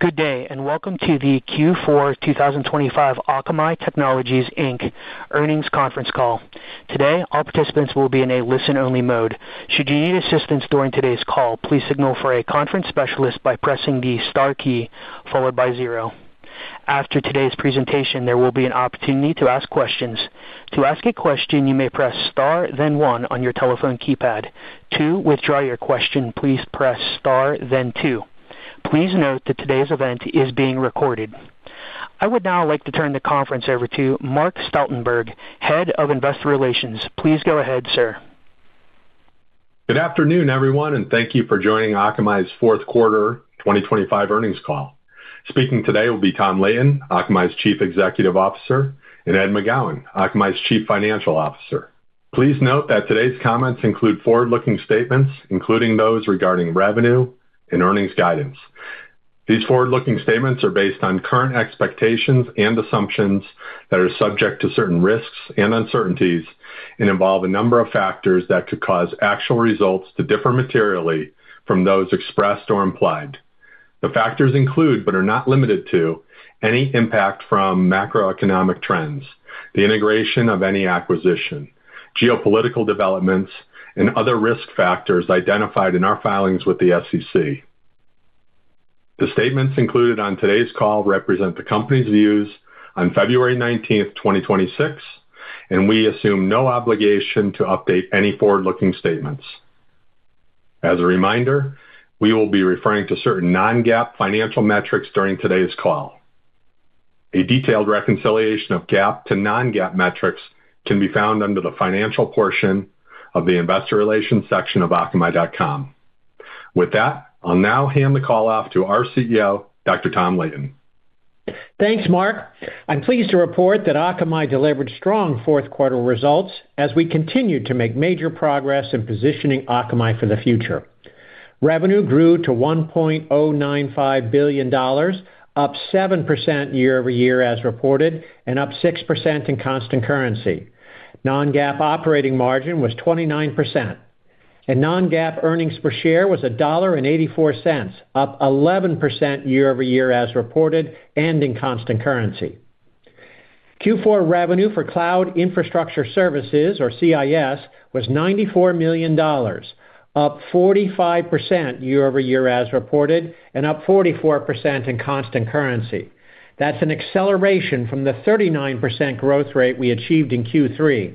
Good day, and welcome to the Q4 2025 Akamai Technologies Inc earnings conference call. Today, all participants will be in a listen-only mode. Should you need assistance during today's call, please signal for a conference specialist by pressing the star key followed by zero. After today's presentation, there will be an opportunity to ask questions. To ask a question, you may press star, then one on your telephone keypad. To withdraw your question, please press star, then two. Please note that today's event is being recorded. I would now like to turn the conference over to Mark Stoutenberg, Head of Investor Relations. Please go ahead, sir. Good afternoon, everyone, and thank you for joining Akamai's fourth quarter 2025 earnings call. Speaking today will be Tom Leighton, Akamai's Chief Executive Officer, and Ed McGowan, Akamai's Chief Financial Officer. Please note that today's comments include forward-looking statements, including those regarding revenue and earnings guidance. These forward-looking statements are based on current expectations and assumptions that are subject to certain risks and uncertainties and involve a number of factors that could cause actual results to differ materially from those expressed or implied. The factors include, but are not limited to, any impact from macroeconomic trends, the integration of any acquisition, geopolitical developments, and other risk factors identified in our filings with the SEC. The statements included on today's call represent the company's views on February 19th, 2026, and we assume no obligation to update any forward-looking statements. As a reminder, we will be referring to certain non-GAAP financial metrics during today's call. A detailed reconciliation of GAAP to non-GAAP metrics can be found under the financial portion of the Investor Relations section of akamai.com. With that, I'll now hand the call off to our CEO, Dr. Tom Leighton. Thanks, Mark. I'm pleased to report that Akamai delivered strong fourth quarter results as we continued to make major progress in positioning Akamai for the future. Revenue grew to $1.095 billion, up 7% year-over-year as reported, and up 6% in constant currency. Non-GAAP operating margin was 29%, and non-GAAP earnings per share was $1.84, up 11% year-over-year as reported and in constant currency. Q4 revenue for cloud infrastructure services, or CIS, was $94 million, up 45% year-over-year as reported and up 44% in constant currency. That's an acceleration from the 39% growth rate we achieved in Q3.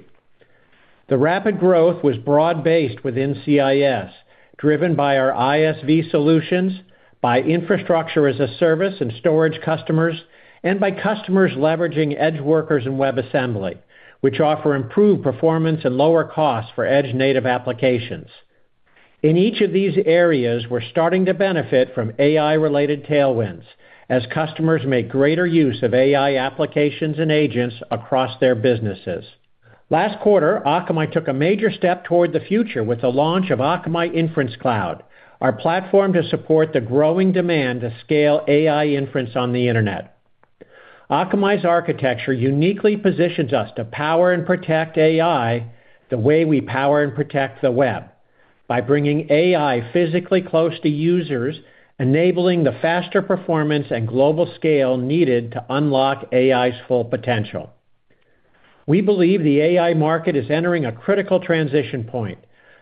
The rapid growth was broad-based within CIS, driven by our ISV solutions, by infrastructure as a service and storage customers, and by customers leveraging EdgeWorkers and WebAssembly, which offer improved performance and lower costs for edge-native applications. In each of these areas, we're starting to benefit from AI-related tailwinds as customers make greater use of AI applications and agents across their businesses. Last quarter, Akamai took a major step toward the future with the launch of Akamai Inference Cloud, our platform to support the growing demand to scale AI inference on the internet. Akamai's architecture uniquely positions us to power and protect AI the way we power and protect the web, by bringing AI physically close to users, enabling the faster performance and global scale needed to unlock AI's full potential. We believe the AI market is entering a critical transition point,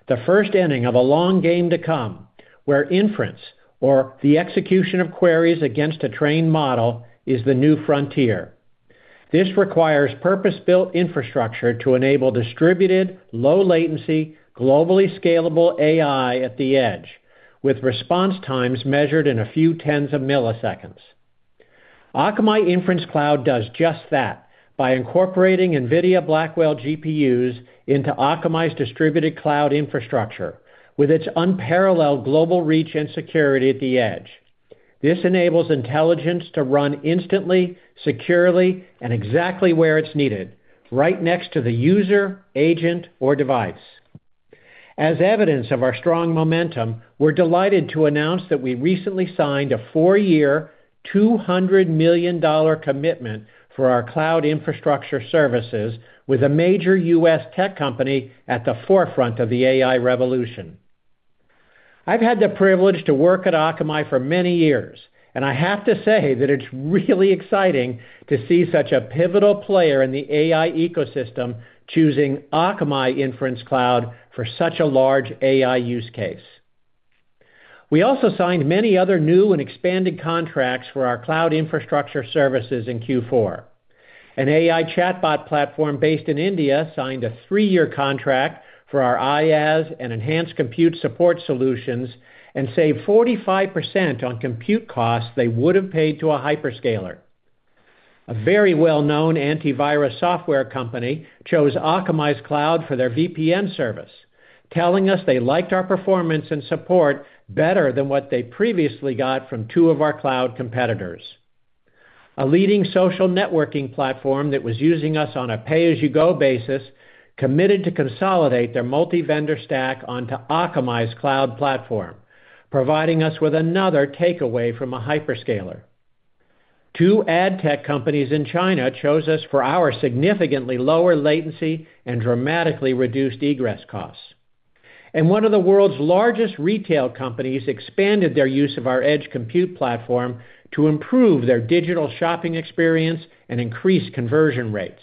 the first inning of a long game to come, where inference or the execution of queries against a trained model is the new frontier. This requires purpose-built infrastructure to enable distributed, low latency, globally scalable AI at the edge, with response times measured in a few tens of milliseconds. Akamai Inference Cloud does just that by incorporating NVIDIA Blackwell GPUs into Akamai's distributed cloud infrastructure, with its unparalleled global reach and security at the edge. This enables intelligence to run instantly, securely, and exactly where it's needed, right next to the user, agent, or device. As evidence of our strong momentum, we're delighted to announce that we recently signed a four-year, $200 million commitment for our cloud infrastructure services with a major U.S. tech company at the forefront of the AI revolution. I've had the privilege to work at Akamai for many years, and I have to say that it's really exciting to see such a pivotal player in the AI ecosystem choosing Akamai Inference Cloud for such a large AI use case. We also signed many other new and expanded contracts for our cloud infrastructure services in Q4. An AI chatbot platform based in India signed a three-year contract for our IaaS and Enhanced Compute Support solutions and saved 45% on compute costs they would have paid to a hyperscaler. A very well-known antivirus software company chose Akamai's cloud for their VPN service, telling us they liked our performance and support better than what they previously got from two of our cloud competitors. A leading social networking platform that was using us on a pay-as-you-go basis committed to consolidate their multi-vendor stack onto Akamai's cloud platform, providing us with another takeaway from a hyperscaler. Two ad tech companies in China chose us for our significantly lower latency and dramatically reduced egress costs. One of the world's largest retail companies expanded their use of our edge compute platform to improve their digital shopping experience and increase conversion rates.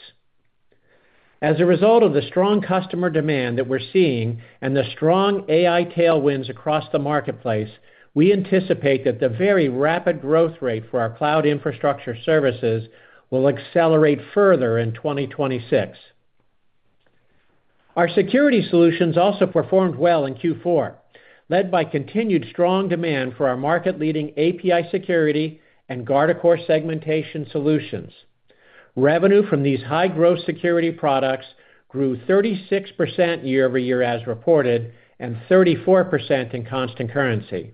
As a result of the strong customer demand that we're seeing and the strong AI tailwinds across the marketplace, we anticipate that the very rapid growth rate for our cloud infrastructure services will accelerate further in 2026. Our security solutions also performed well in Q4, led by continued strong demand for our market-leading API Security and Guardicore Segmentation solutions. Revenue from these high-growth security products grew 36% year-over-year as reported, and 34% in constant currency.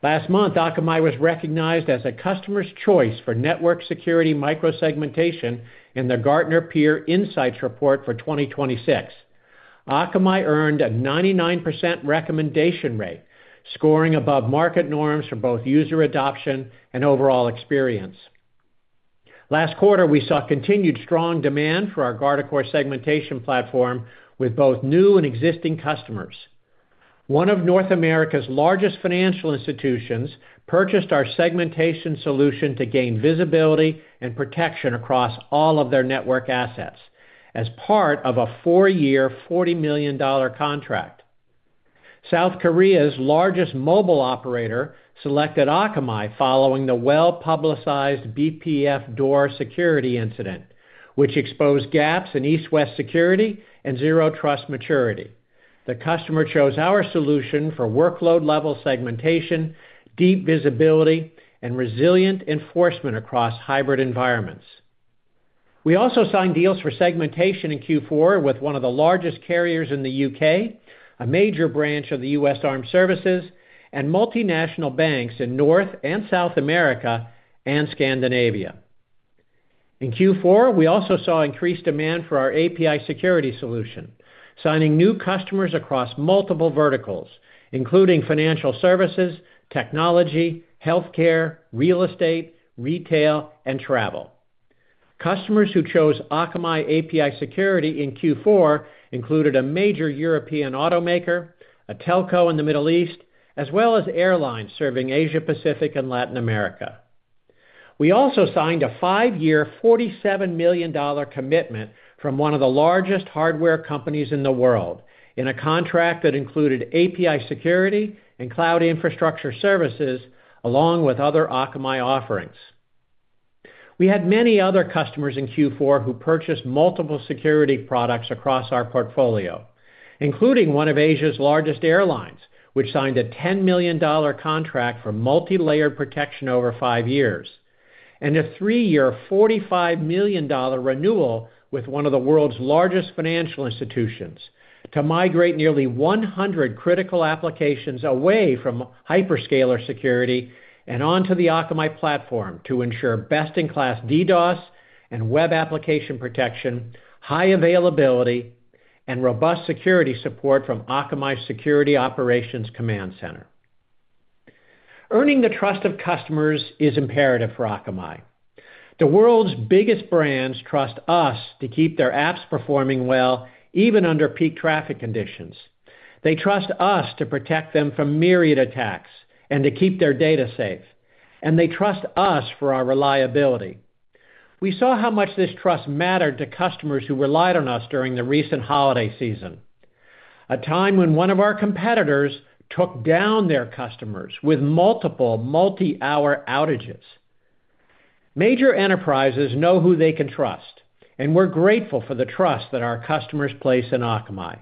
Last month, Akamai was recognized as a Customers' Choice for network security micro-segmentation in the Gartner Peer Insights Report for 2026. Akamai earned a 99% recommendation rate, scoring above market norms for both user adoption and overall experience. Last quarter, we saw continued strong demand for our Guardicore Segmentation platform with both new and existing customers. One of North America's largest financial institutions purchased our segmentation solution to gain visibility and protection across all of their network assets as part of a four-year, $40 million contract. South Korea's largest mobile operator selected Akamai following the well-publicized BPFDoor security incident, which exposed gaps in east-west security and zero trust maturity. The customer chose our solution for workload-level segmentation, deep visibility, and resilient enforcement across hybrid environments. We also signed deals for segmentation in Q4 with one of the largest carriers in the U.K., a major branch of the U.S. Armed Services, and multinational banks in North and South America and Scandinavia. In Q4, we also saw increased demand for our API Security solution, signing new customers across multiple verticals, including financial services, technology, healthcare, real estate, retail, and travel. Customers who chose Akamai API Security in Q4 included a major European automaker, a telco in the Middle East, as well as airlines serving Asia Pacific and Latin America. We also signed a five-year, $47 million commitment from one of the largest hardware companies in the world in a contract that included API Security and cloud infrastructure services, along with other Akamai offerings. We had many other customers in Q4 who purchased multiple security products across our portfolio, including one of Asia's largest airlines, which signed a $10 million contract for multilayered protection over five years, and a three-year, $45 million renewal with one of the world's largest financial institutions to migrate nearly 100 critical applications away from hyperscaler security and onto the Akamai platform to ensure best-in-class DDoS and web application protection, high availability, and robust security support from Akamai Security Operations Command Center. Earning the trust of customers is imperative for Akamai. The world's biggest brands trust us to keep their apps performing well, even under peak traffic conditions. They trust us to protect them from myriad attacks and to keep their data safe, and they trust us for our reliability. We saw how much this trust mattered to customers who relied on us during the recent holiday season, a time when one of our competitors took down their customers with multiple multi-hour outages. Major enterprises know who they can trust, and we're grateful for the trust that our customers place in Akamai.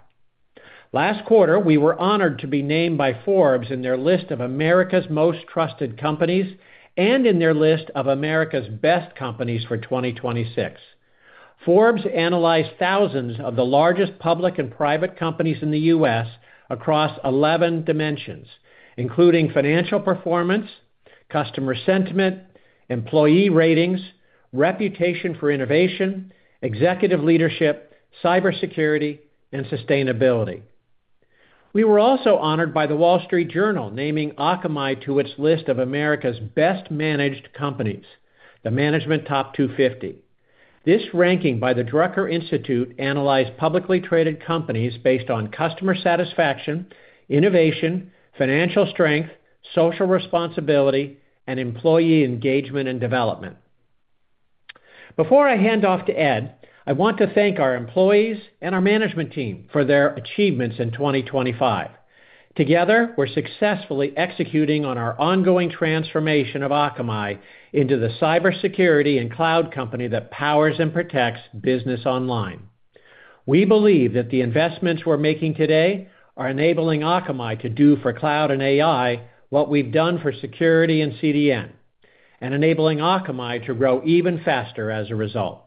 Last quarter, we were honored to be named by Forbes in their list of America's Most Trusted Companies and in their list of America's Best Companies for 2026. Forbes analyzed thousands of the largest public and private companies in the U.S. across 11 dimensions, including financial performance, customer sentiment, employee ratings, reputation for innovation, executive leadership, cybersecurity, and sustainability. We were also honored by The Wall Street Journal, naming Akamai to its list of America's Best Managed Companies, the Management Top 250. This ranking by the Drucker Institute analyzed publicly traded companies based on customer satisfaction, innovation, financial strength, social responsibility, and employee engagement and development. Before I hand off to Ed, I want to thank our employees and our management team for their achievements in 2025. Together, we're successfully executing on our ongoing transformation of Akamai into the cybersecurity and cloud company that powers and protects business online. We believe that the investments we're making today are enabling Akamai to do for cloud and AI what we've done for security and CDN, and enabling Akamai to grow even faster as a result.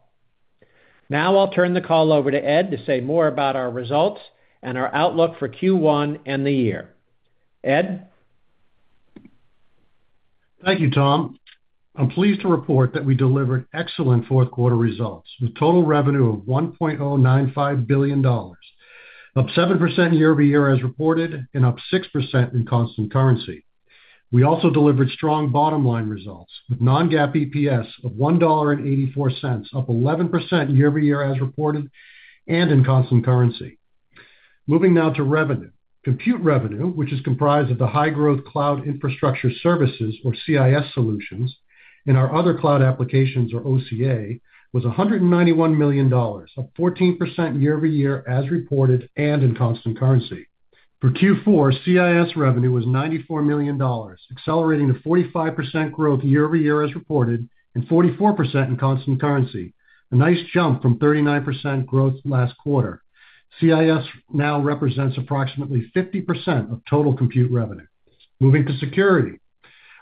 Now I'll turn the call over to Ed to say more about our results and our outlook for Q1 and the year. Ed? Thank you, Tom. I'm pleased to report that we delivered excellent fourth quarter results, with total revenue of $1.095 billion, up 7% year-over-year as reported, and up 6% in constant currency. We also delivered strong bottom line results, with non-GAAP EPS of $1.84, up 11% year-over-year as reported and in constant currency. Moving now to revenue. Compute revenue, which is comprised of the high-growth cloud infrastructure services, or CIS solutions, and our other cloud applications, or OCA, was $191 million, up 14% year-over-year as reported and in constant currency. For Q4, CIS revenue was $94 million, accelerating to 45% growth year-over-year as reported, and 44% in constant currency, a nice jump from 39% growth last quarter. CIS now represents approximately 50% of total compute revenue. Moving to security.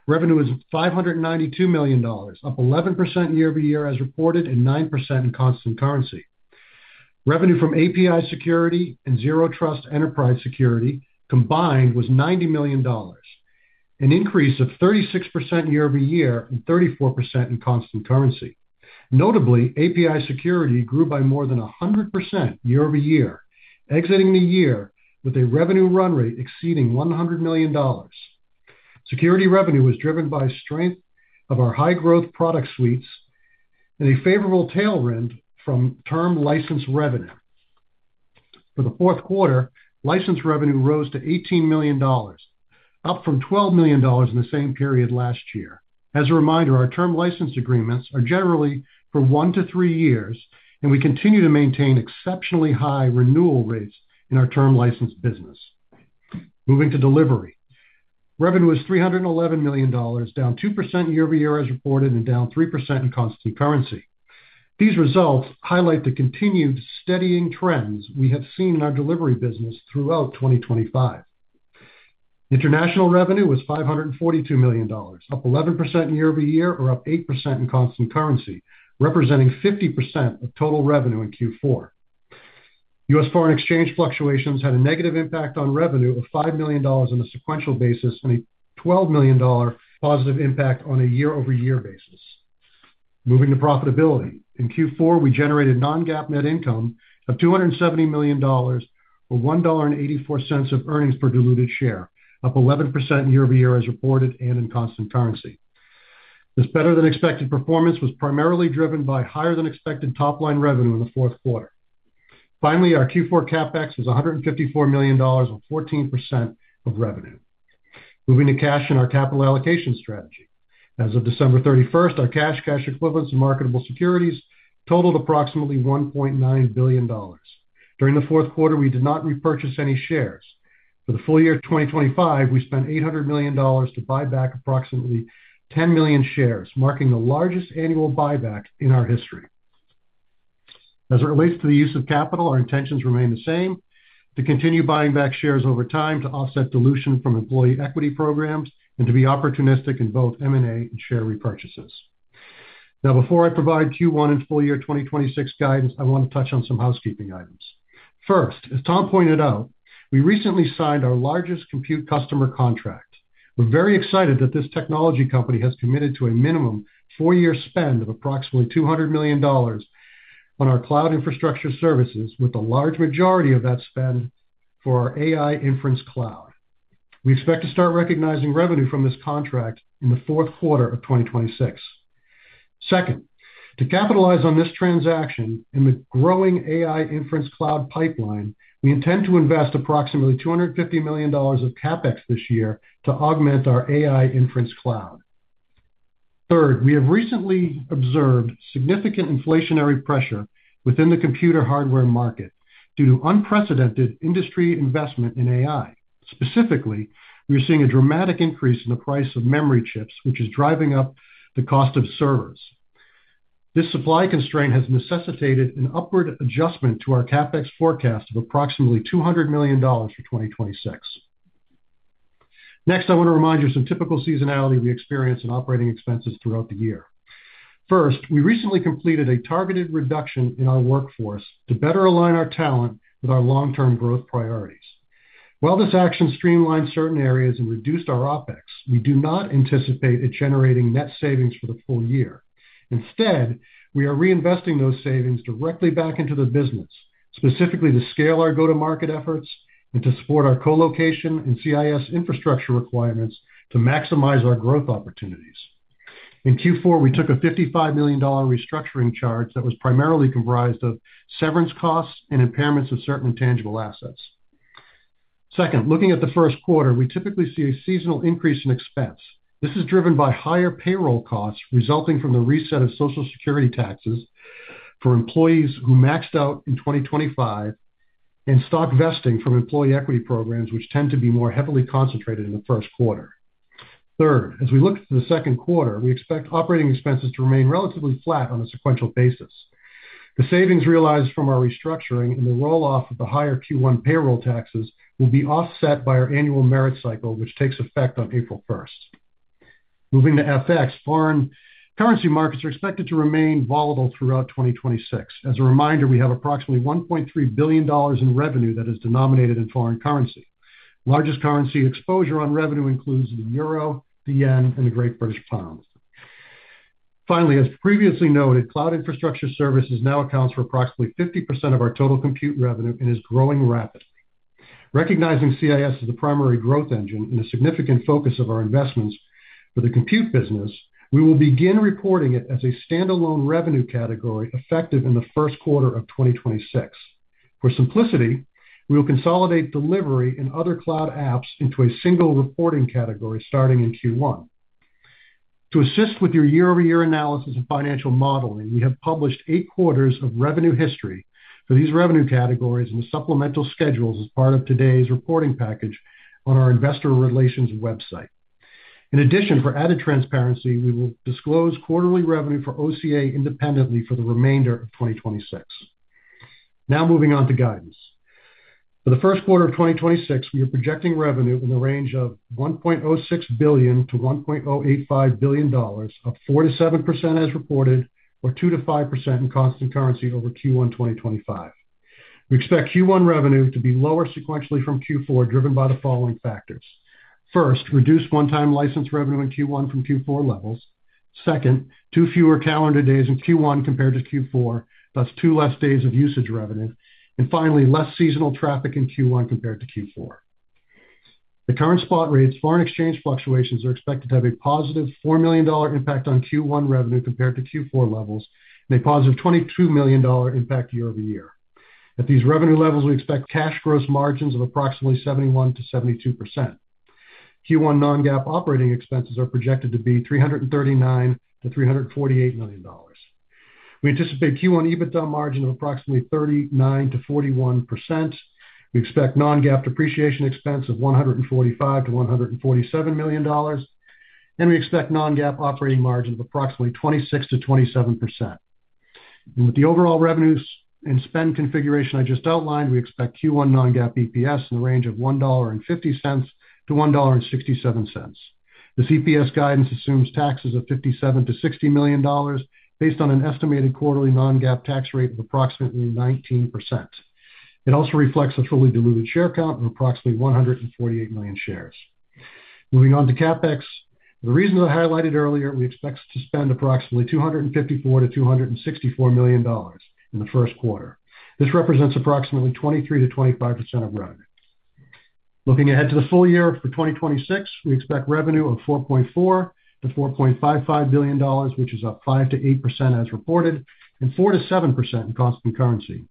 Revenue is $592 million, up 11% year-over-year as reported, and 9% in constant currency. Revenue from API Security and Zero Trust enterprise security combined was $90 million, an increase of 36% year-over-year and 34% in constant currency. Notably, API Security grew by more than 100% year-over-year, exiting the year with a revenue run rate exceeding $100 million. Security revenue was driven by strength of our high-growth product suites and a favorable tailwind from term license revenue. For the fourth quarter, license revenue rose to $18 million, up from $12 million in the same period last year. As a reminder, our term license agreements are generally for one to three years, and we continue to maintain exceptionally high renewal rates in our term license business. Moving to delivery. Revenue is $311 million, down 2% year-over-year as reported, and down 3% in constant currency. These results highlight the continued steadying trends we have seen in our delivery business throughout 2025. International revenue was $542 million, up 11% year-over-year or up 8% in constant currency, representing 50% of total revenue in Q4. U.S. foreign exchange fluctuations had a negative impact on revenue of $5 million on a sequential basis, and a $12 million positive impact on a year-over-year basis. Moving to profitability. In Q4, we generated non-GAAP net income of $270 million, or $1.84 of earnings per diluted share, up 11% year-over-year as reported and in constant currency. This better-than-expected performance was primarily driven by higher-than-expected top-line revenue in the fourth quarter. Finally, our Q4 CapEx was $154 million, or 14% of revenue. Moving to cash and our capital allocation strategy. As of December 31st, our cash, cash equivalents, and marketable securities totaled approximately $1.9 billion. During the fourth quarter, we did not repurchase any shares. For the full year of 2025, we spent $800 million to buy back approximately 10 million shares, marking the largest annual buyback in our history. As it relates to the use of capital, our intentions remain the same, to continue buying back shares over time to offset dilution from employee equity programs and to be opportunistic in both M&A and share repurchases. Now, before I provide Q1 and full year 2026 guidance, I want to touch on some housekeeping items. First, as Tom pointed out, we recently signed our largest compute customer contract. We're very excited that this technology company has committed to a minimum four-year spend of approximately $200 million on our cloud infrastructure services, with a large majority of that spend for our AI inference cloud. We expect to start recognizing revenue from this contract in the fourth quarter of 2026. Second, to capitalize on this transaction and the AI inference cloud pipeline, we intend to invest approximately $250 million of CapEx this year to augment AI inference cloud. Third, we have recently observed significant inflationary pressure within the computer hardware market due to unprecedented industry investment in AI. Specifically, we are seeing a dramatic increase in the price of memory chips, which is driving up the cost of servers. This supply constraint has necessitated an upward adjustment to our CapEx forecast of approximately $200 million for 2026. Next, I want to remind you of some typical seasonality we experience in operating expenses throughout the year. First, we recently completed a targeted reduction in our workforce to better align our talent with our long-term growth priorities. While this action streamlined certain areas and reduced our OpEx, we do not anticipate it generating net savings for the full year. Instead, we are reinvesting those savings directly back into the business, specifically to scale our go-to-market efforts and to support our colocation and CIS infrastructure requirements to maximize our growth opportunities. In Q4, we took a $55 million restructuring charge that was primarily comprised of severance costs and impairments of certain intangible assets. Second, looking at the first quarter, we typically see a seasonal increase in expense. This is driven by higher payroll costs resulting from the reset of Social Security taxes for employees who maxed out in 2025, and stock vesting from employee equity programs, which tend to be more heavily concentrated in the first quarter. Third, as we look to the second quarter, we expect operating expenses to remain relatively flat on a sequential basis. The savings realized from our restructuring and the roll-off of the higher Q1 payroll taxes will be offset by our annual merit cycle, which takes effect on April 1st. Moving to FX. Foreign currency markets are expected to remain volatile throughout 2026. As a reminder, we have approximately $1.3 billion in revenue that is denominated in foreign currency. Largest currency exposure on revenue includes the euro, the yen, and the Great British Pound. Finally, as previously noted, cloud infrastructure services now accounts for approximately 50% of our total compute revenue and is growing rapidly. Recognizing CIS as a primary growth engine and a significant focus of our investments for the compute business, we will begin reporting it as a standalone revenue category effective in the first quarter of 2026. For simplicity, we will consolidate delivery and other cloud apps into a single reporting category starting in Q1. To assist with your year-over-year analysis and financial modeling, we have published eight quarters of revenue history for these revenue categories and the supplemental schedules as part of today's reporting package on our Investor Relations website. In addition, for added transparency, we will disclose quarterly revenue for OCA independently for the remainder of 2026. Now moving on to guidance. For the first quarter of 2026, we are projecting revenue in the range of $1.06 billion-$1.085 billion, up 4%-7% as reported, or 2%-5% in constant currency over Q1 2025. We expect Q1 revenue to be lower sequentially from Q4, driven by the following factors. First, reduced one-time license revenue in Q1 from Q4 levels. Second, two fewer calendar days in Q1 compared to Q4, thus two less days of usage revenue. And finally, less seasonal traffic in Q1 compared to Q4. The current spot rates, foreign exchange fluctuations, are expected to have a +$4 million impact on Q1 revenue compared to Q4 levels and a +$22 million impact year-over-year. At these revenue levels, we expect cash gross margins of approximately 71%-72%. Q1 non-GAAP operating expenses are projected to be $339 million-$348 million. We anticipate Q1 EBITDA margin of approximately 39%-41%. We expect non-GAAP depreciation expense of $145 million-$147 million, and we expect non-GAAP operating margin of approximately 26%-27%. With the overall revenues and spend configuration I just outlined, we expect Q1 non-GAAP EPS in the range of $1.50-$1.67. The EPS guidance assumes taxes of $57 million-$60 million, based on an estimated quarterly non-GAAP tax rate of approximately 19%. It also reflects a fully diluted share count of approximately 148 million shares. Moving on to CapEx. For the reasons I highlighted earlier, we expect to spend approximately $254 million-$264 million in the first quarter. This represents approximately 23%-25% of revenue. Looking ahead to the full year for 2026, we expect revenue of $4.4 billion-$4.5 billion, which is up 5%-8% as reported, and 4%-7% in constant currency.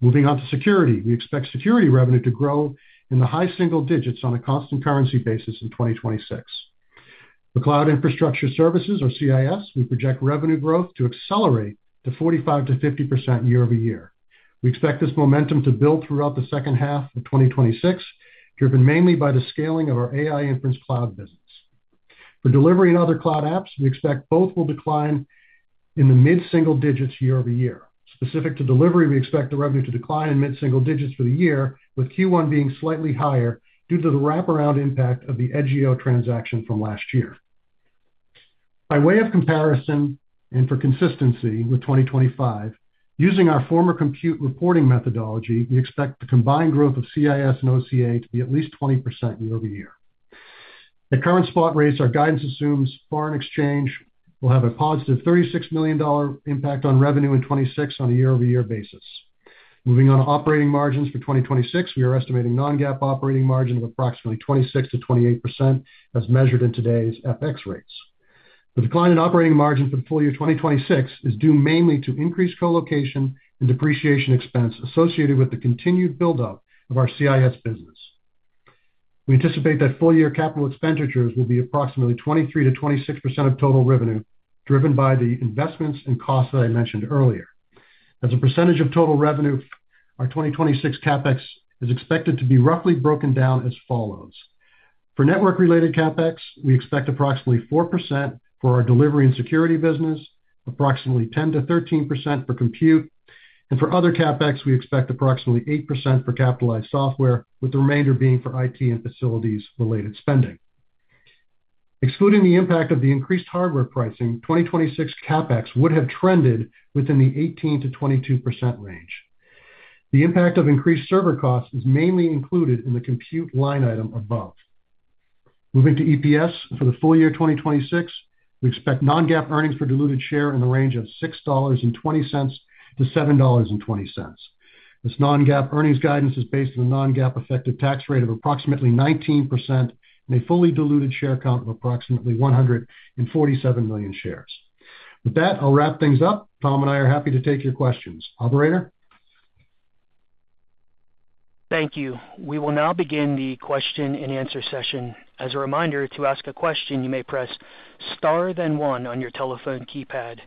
Moving on to security. We expect security revenue to grow in the high single digits on a constant currency basis in 2026. For cloud infrastructure services, or CIS, we project revenue growth to accelerate to 45%-50% year-over-year. We expect this momentum to build throughout the second half of 2026, driven mainly by the scaling of AI inference cloud business. For delivery and other cloud apps, we expect both will decline in the mid-single digits year-over-year. Specific to delivery, we expect the revenue to decline in mid-single digits for the year, with Q1 being slightly higher due to the wraparound impact of the Edgio transaction from last year. By way of comparison, and for consistency with 2025, using our former compute reporting methodology, we expect the combined growth of CIS and OCA to be at least 20% year-over-year. At current spot rates, our guidance assumes foreign exchange will have a +$36 million impact on revenue in 2026 on a year-over-year basis. Moving on to operating margins for 2026, we are estimating non-GAAP operating margin of approximately 26%-28%, as measured in today's FX rates. The decline in operating margin for the full year 2026 is due mainly to increased co-location and depreciation expense associated with the continued buildup of our CIS business. We anticipate that full year capital expenditures will be approximately 23%-26% of total revenue, driven by the investments and costs that I mentioned earlier. As a percentage of total revenue, our 2026 CapEx is expected to be roughly broken down as follows: For network-related CapEx, we expect approximately 4% for our delivery and security business, approximately 10%-13% for compute, and for other CapEx, we expect approximately 8% for capitalized software, with the remainder being for IT and facilities-related spending. Excluding the impact of the increased hardware pricing, 2026 CapEx would have trended within the 18%-22% range. The impact of increased server costs is mainly included in the compute line item above. Moving to EPS for the full year 2026, we expect non-GAAP earnings per diluted share in the range of $6.20-$7.20. This non-GAAP earnings guidance is based on a non-GAAP effective tax rate of approximately 19% and a fully diluted share count of approximately 147 million shares. With that, I'll wrap things up. Tom and I are happy to take your questions. Operator? Thank you. We will now begin the question and answer session. As a reminder, to ask a question, you may press star then one on your telephone keypad.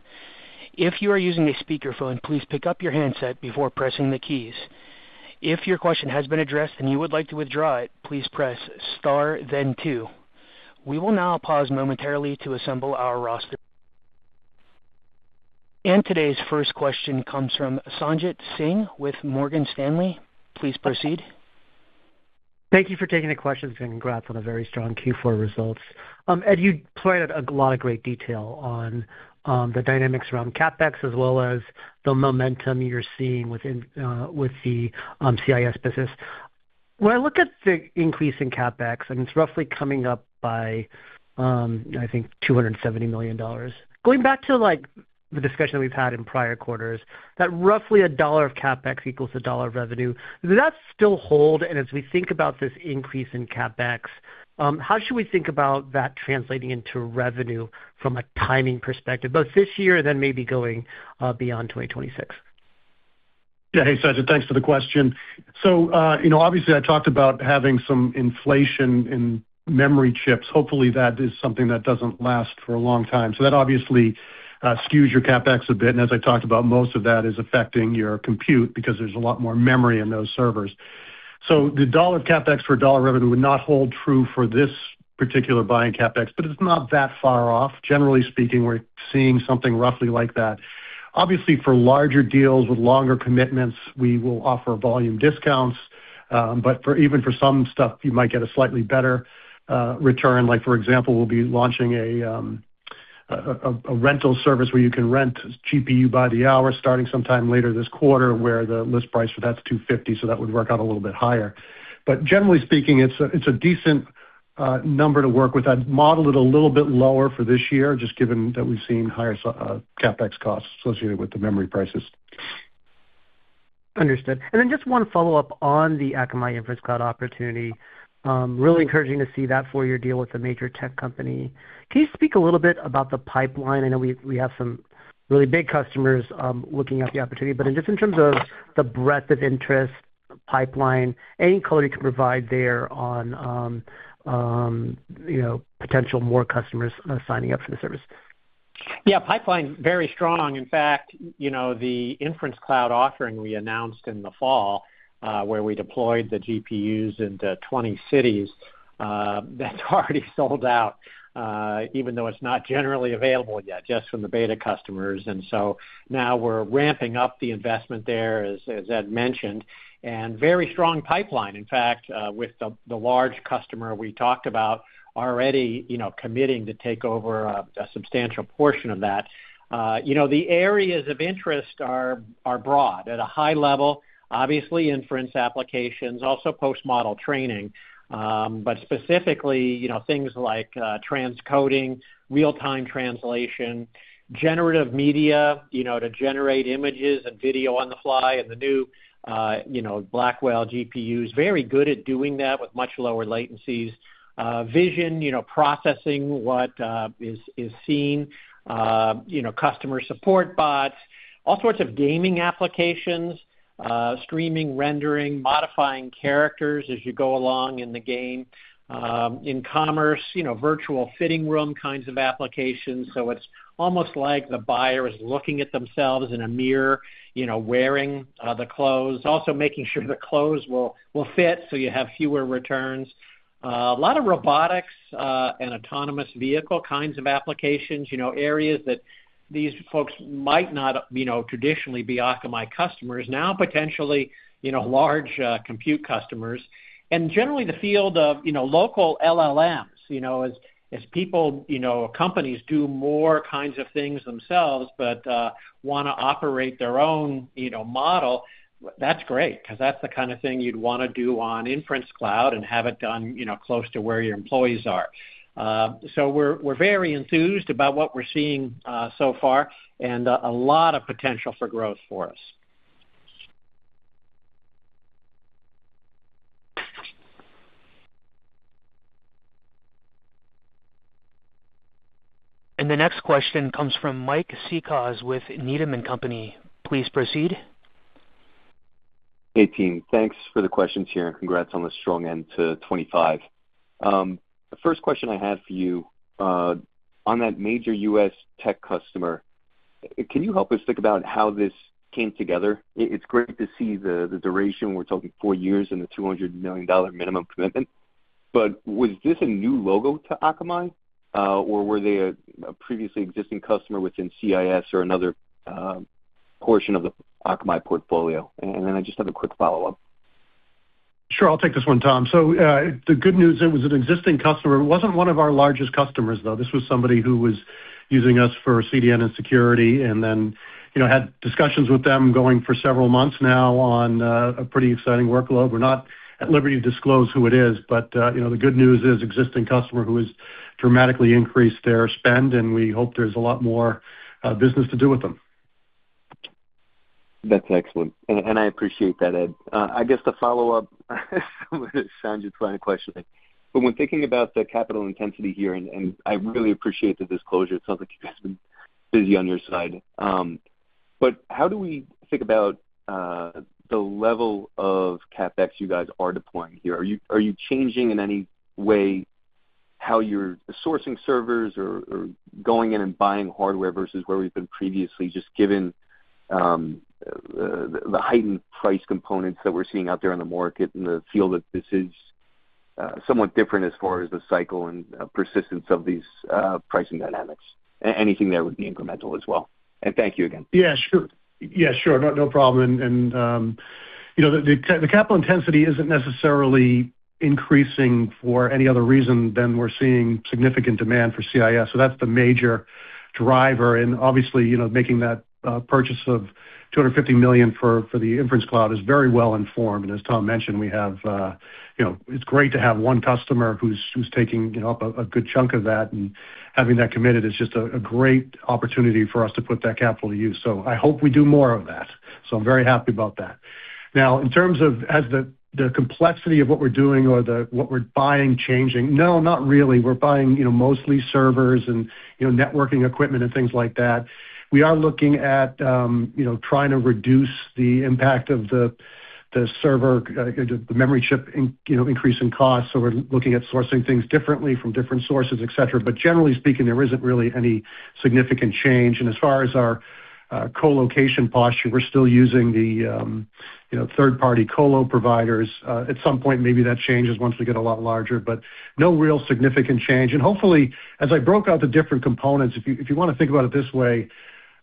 If you are using a speakerphone, please pick up your handset before pressing the keys. If your question has been addressed and you would like to withdraw it, please press star then two. We will now pause momentarily to assemble our roster. Today's first question comes from Sanjit Singh with Morgan Stanley. Please proceed. Thank you for taking the questions, and congrats on a very strong Q4 results. Ed, you provided a lot of great detail on the dynamics around CapEx as well as the momentum you're seeing within the CIS business. When I look at the increase in CapEx, and it's roughly coming up by, I think, $270 million. Going back to, like, the discussion that we've had in prior quarters, that roughly a dollar of CapEx equals a dollar of revenue, does that still hold? And as we think about this increase in CapEx, how should we think about that translating into revenue from a timing perspective, both this year and then maybe going beyond 2026? Yeah. Hey, Sanjit, thanks for the question. So, you know, obviously I talked about having some inflation in memory chips. Hopefully, that is something that doesn't last for a long time. So that obviously, skews your CapEx a bit, and as I talked about, most of that is affecting your compute because there's a lot more memory in those servers. So $1 of CapEx for $1 of revenue would not hold true for this particular buying CapEx, but it's not that far off. Generally speaking, we're seeing something roughly like that. Obviously, for larger deals with longer commitments, we will offer volume discounts, but for even for some stuff, you might get a slightly better return. Like, for example, we'll be launching a rental service where you can rent GPU by the hour, starting sometime later this quarter, where the list price for that's $250, so that would work out a little bit higher. But generally speaking, it's a decent number to work with. I'd model it a little bit lower for this year, just given that we've seen higher CapEx costs associated with the memory prices. Understood. And then just one follow-up on the Akamai Inference Cloud opportunity. Really encouraging to see that four-year deal with a major tech company. Can you speak a little bit about the pipeline? I know we have some really big customers looking at the opportunity, but just in terms of the breadth of interest, pipeline, any color you can provide there on, you know, potential more customers signing up for the service? Yeah, pipeline, very strong. In fact, you know, the inference cloud offering we announced in the fall, where we deployed the GPUs into 20 cities, that's already sold out, even though it's not generally available yet, just from the beta customers. Now we're ramping up the investment there, as Ed mentioned, and very strong pipeline. In fact, with the large customer we talked about already, you know, committing to take over a substantial portion of that. You know, the areas of interest are broad. At a high level, obviously, inference applications, also post-model training, but specifically, you know, things like transcoding, real-time translation, generative media, you know, to generate images and video on the fly. The new Blackwell GPU is very good at doing that with much lower latencies. Vision, you know, processing what is seen, you know, customer support bots, all sorts of gaming applications, streaming, rendering, modifying characters as you go along in the game. In commerce, you know, virtual fitting room kinds of applications, so it's almost like the buyer is looking at themselves in a mirror, you know, wearing the clothes. Also, making sure the clothes will fit, so you have fewer returns. A lot of robotics and autonomous vehicle kinds of applications, you know, areas that these folks might not, you know, traditionally be Akamai customers, now potentially, you know, large compute customers. Generally, the field of, you know, local LLMs, you know, as people, you know, or companies do more kinds of things themselves, but wanna operate their own, you know, model, that's great because that's the kind of thing you'd wanna do on inference cloud and have it done, you know, close to where your employees are. So we're very enthused about what we're seeing so far, and a lot of potential for growth for us. The next question comes from Mike Cikos with Needham & Company. Please proceed. Hey, team. Thanks for the questions here, and congrats on the strong end to 2025. The first question I had for you, on that major U.S. tech customer, can you help us think about how this came together? It's great to see the duration. We're talking four years and the $200 million minimum commitment. But was this a new logo to Akamai, or were they a previously existing customer within CIS or another portion of the Akamai portfolio? And then I just have a quick follow-up. Sure, I'll take this one, Tom. So, the good news, it was an existing customer. It wasn't one of our largest customers, though. This was somebody who was using us for CDN and security, and then, you know, had discussions with them going for several months now on a pretty exciting workload. We're not at liberty to disclose who it is, but, you know, the good news is, existing customer who has dramatically increased their spend, and we hope there's a lot more business to do with them. That's excellent, and, and I appreciate that, Ed. I guess the follow-up, Sanjit's final question. But when thinking about the capital intensity here, and, and I really appreciate the disclosure. It sounds like you guys have been busy on your side. But how do we think about the level of CapEx you guys are deploying here? Are you, are you changing in any way how you're sourcing servers or, or going in and buying hardware versus where we've been previously, just given the, the heightened price components that we're seeing out there on the market and the feel that this is somewhat different as far as the cycle and persistence of these pricing dynamics? Anything there would be incremental as well. And thank you again. Yeah, sure. Yeah, sure. No, no problem. And, and, you know, the capital intensity isn't necessarily increasing for any other reason than we're seeing significant demand for CIS. So that's the major driver. And obviously, you know, making that purchase of $250 million for the inference cloud is very well informed. And as Tom mentioned, we have, you know, it's great to have one customer who's taking, you know, a good chunk of that, and having that committed is just a great opportunity for us to put that capital to use. So I hope we do more of that. So I'm very happy about that. Now, in terms of the complexity of what we're doing or what we're buying changing, no, not really. We're buying, you know, mostly servers and, you know, networking equipment and things like that. We are looking at, you know, trying to reduce the impact of the memory chip increase in cost. So we're looking at sourcing things differently from different sources, et cetera. But generally speaking, there isn't really any significant change. And as far as our co-location posture, we're still using the, you know, third-party colo providers. At some point, maybe that changes once we get a lot larger, but no real significant change. Hopefully, as I broke out the different components, if you wanna think about it this way,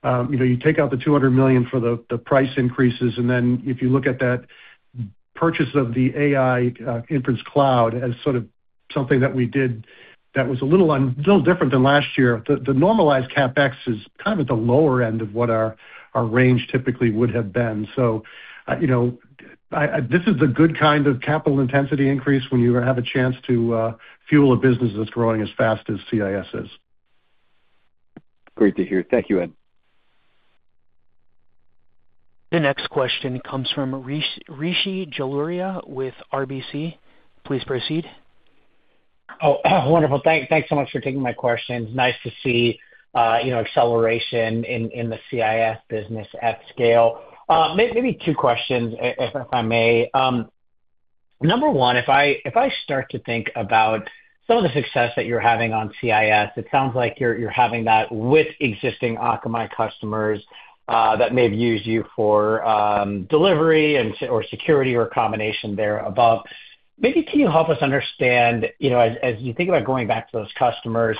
you know, you take out the $200 million for the price increases, and then if you look at that purchase of the AI inference cloud as sort of something that we did that was a little different than last year, the normalized CapEx is kind of at the lower end of what our range typically would have been. So, you know, this is a good kind of capital intensity increase when you have a chance to fuel a business that's growing as fast as CIS is. Great to hear. Thank you, Ed. The next question comes from Rishi Jaluria with RBC. Please proceed. Oh, wonderful. Thanks so much for taking my questions. Nice to see, you know, acceleration in the CIS business at scale. Maybe two questions, if I may. Number one, if I start to think about some of the success that you're having on CIS, it sounds like you're having that with existing Akamai customers that may have used you for delivery and or security or a combination there above. Maybe can you help us understand, you know, as you think about going back to those customers,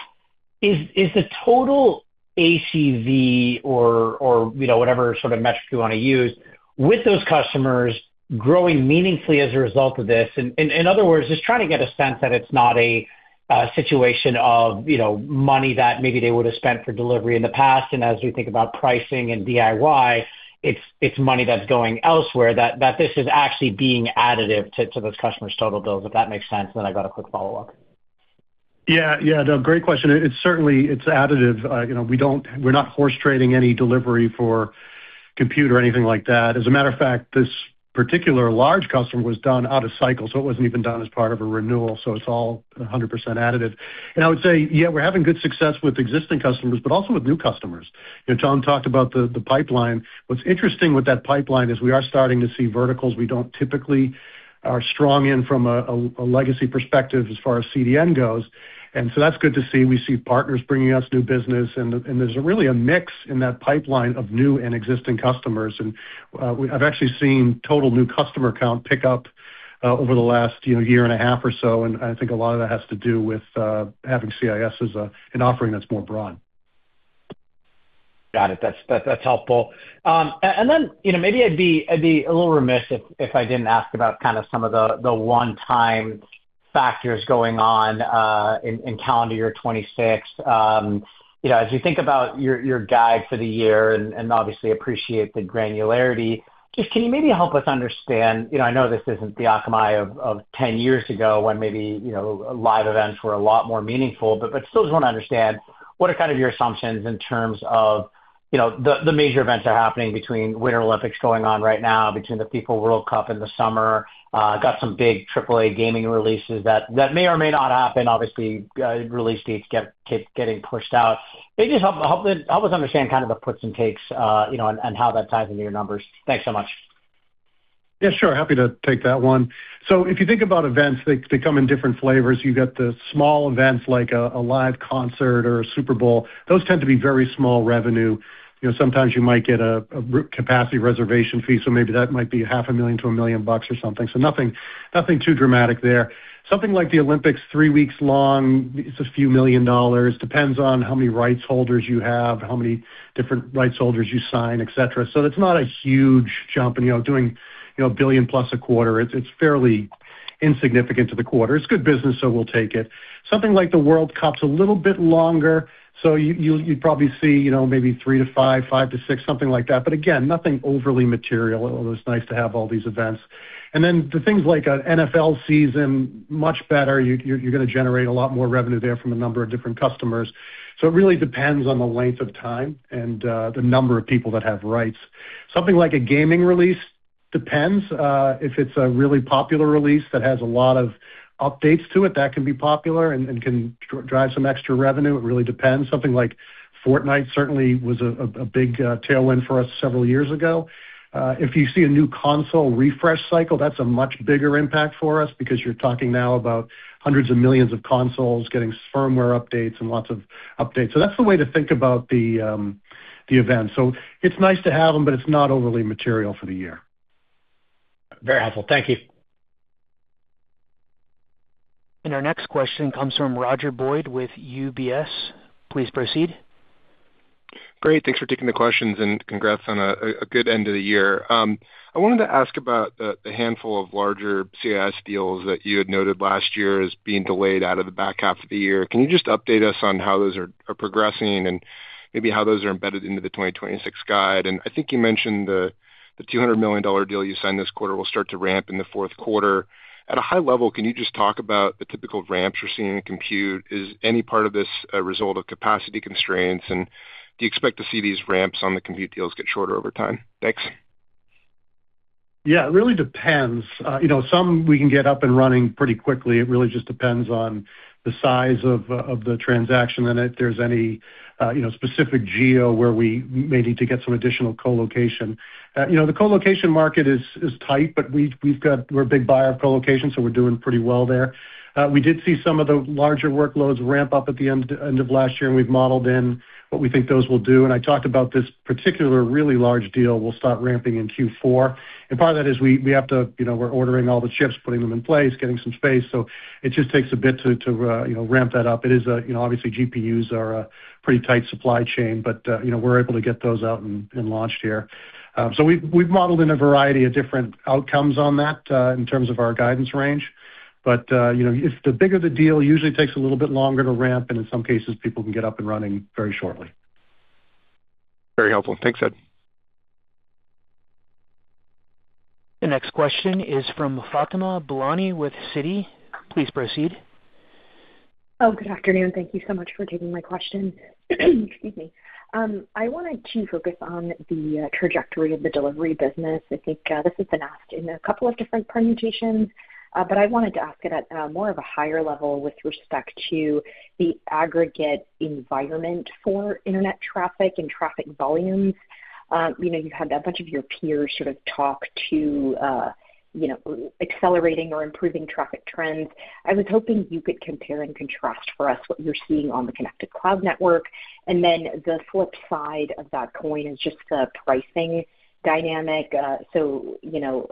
is the total ACV or, you know, whatever sort of metric you wanna use, with those customers growing meaningfully as a result of this? In other words, just trying to get a sense that it's not a situation of, you know, money that maybe they would have spent for delivery in the past, and as we think about pricing and DIY, it's money that's going elsewhere, that this is actually being additive to those customers' total bills, if that makes sense. Then I've got a quick follow-up. Yeah. Yeah, no, great question. It's certainly, it's additive. You know, we don't—we're not horse trading any delivery for compute or anything like that. As a matter of fact, this particular large customer was done out of cycle, so it wasn't even done as part of a renewal, so it's all 100% additive. And I would say, yeah, we're having good success with existing customers, but also with new customers. You know, Tom talked about the pipeline. What's interesting with that pipeline is we are starting to see verticals we don't typically are strong in from a legacy perspective as far as CDN goes, and so that's good to see. We see partners bringing us new business, and there's really a mix in that pipeline of new and existing customers. I've actually seen total new customer count pick up over the last, you know, year and a half or so, and I think a lot of that has to do with having CIS as an offering that's more broad. Got it. That's helpful. And then, you know, maybe I'd be, I'd be a little remiss if I didn't ask about kind of some of the one-time factors going on in calendar year 2026. You know, as you think about your guide for the year and obviously appreciate the granularity, just can you maybe help us understand. You know, I know this isn't the Akamai of 10 years ago, when maybe, you know, live events were a lot more meaningful, but still just wanna understand, what are kind of your assumptions in terms of, you know, the major events happening between Winter Olympics going on right now, between the FIFA World Cup in the summer, got some big AAA gaming releases that may or may not happen. Obviously, release dates get, keep getting pushed out. Maybe just help, help, help us understand kind of the puts and takes, you know, and, and how that ties into your numbers. Thanks so much. Yeah, sure, happy to take that one. So if you think about events, they come in different flavors. You've got the small events like a live concert or a Super Bowl. Those tend to be very small revenue. You know, sometimes you might get a root capacity reservation fee, so maybe that might be $500,000-$1 million or something. So nothing too dramatic there. Something like the Olympics, three weeks long, it's a few million dollars. Depends on how many rights holders you have, how many different rights holders you sign, et cetera. So it's not a huge jump and, you know, doing, you know, $1 billion+ a quarter. It's fairly insignificant to the quarter. It's good business, so we'll take it. Something like the World Cup's a little bit longer, so you'll probably see, you know, maybe 3-5, 5-6, something like that. But again, nothing overly material, although it's nice to have all these events. And then things like a NFL season, much better. You're gonna generate a lot more revenue there from a number of different customers. So it really depends on the length of time and the number of people that have rights. Something like a gaming release, depends. If it's a really popular release that has a lot of updates to it, that can be popular and can drive some extra revenue. It really depends. Something like Fortnite certainly was a big tailwind for us several years ago. If you see a new console refresh cycle, that's a much bigger impact for us because you're talking now about hundreds of millions of consoles getting firmware updates and lots of updates. So that's the way to think about the events. So it's nice to have them, but it's not overly material for the year. Very helpful. Thank you. Our next question comes from Roger Boyd with UBS. Please proceed. Great. Thanks for taking the questions and congrats on a good end of the year. I wanted to ask about the handful of larger CIS deals that you had noted last year as being delayed out of the back half of the year. Can you just update us on how those are progressing and maybe how those are embedded into the 2026 guide? I think you mentioned the $200 million deal you signed this quarter will start to ramp in the fourth quarter. At a high level, can you just talk about the typical ramps you're seeing in compute? Is any part of this a result of capacity constraints, and do you expect to see these ramps on the compute deals get shorter over time? Thanks. Yeah, it really depends. You know, some we can get up and running pretty quickly. It really just depends on the size of the transaction, and if there's any, you know, specific geo where we may need to get some additional colocation. You know, the colocation market is tight, but we've got—we're a big buyer of colocation, so we're doing pretty well there. We did see some of the larger workloads ramp up at the end of last year, and we've modeled in what we think those will do. And I talked about this particular really large deal will start ramping in Q4. And part of that is we have to, you know, we're ordering all the chips, putting them in place, getting some space. So it just takes a bit to ramp that up. It is a, you know, obviously, GPUs are a pretty tight supply chain, but, you know, we're able to get those out and launched here. So we've modeled in a variety of different outcomes on that, in terms of our guidance range. But, you know, if the bigger the deal, usually takes a little bit longer to ramp, and in some cases, people can get up and running very shortly. Very helpful. Thanks, Ed. The next question is from Fatima Boolani with Citi. Please proceed. Oh, good afternoon. Thank you so much for taking my question. Excuse me. I wanted to focus on the trajectory of the delivery business. I think this has been asked in a couple of different permutations, but I wanted to ask it at more of a higher level with respect to the aggregate environment for internet traffic and traffic volumes. You know, you had a bunch of your peers sort of talk to you know, accelerating or improving traffic trends. I was hoping you could compare and contrast for us what you're seeing on the Connected Cloud network. And then, the flip side of that coin is just the pricing dynamic. So, you know,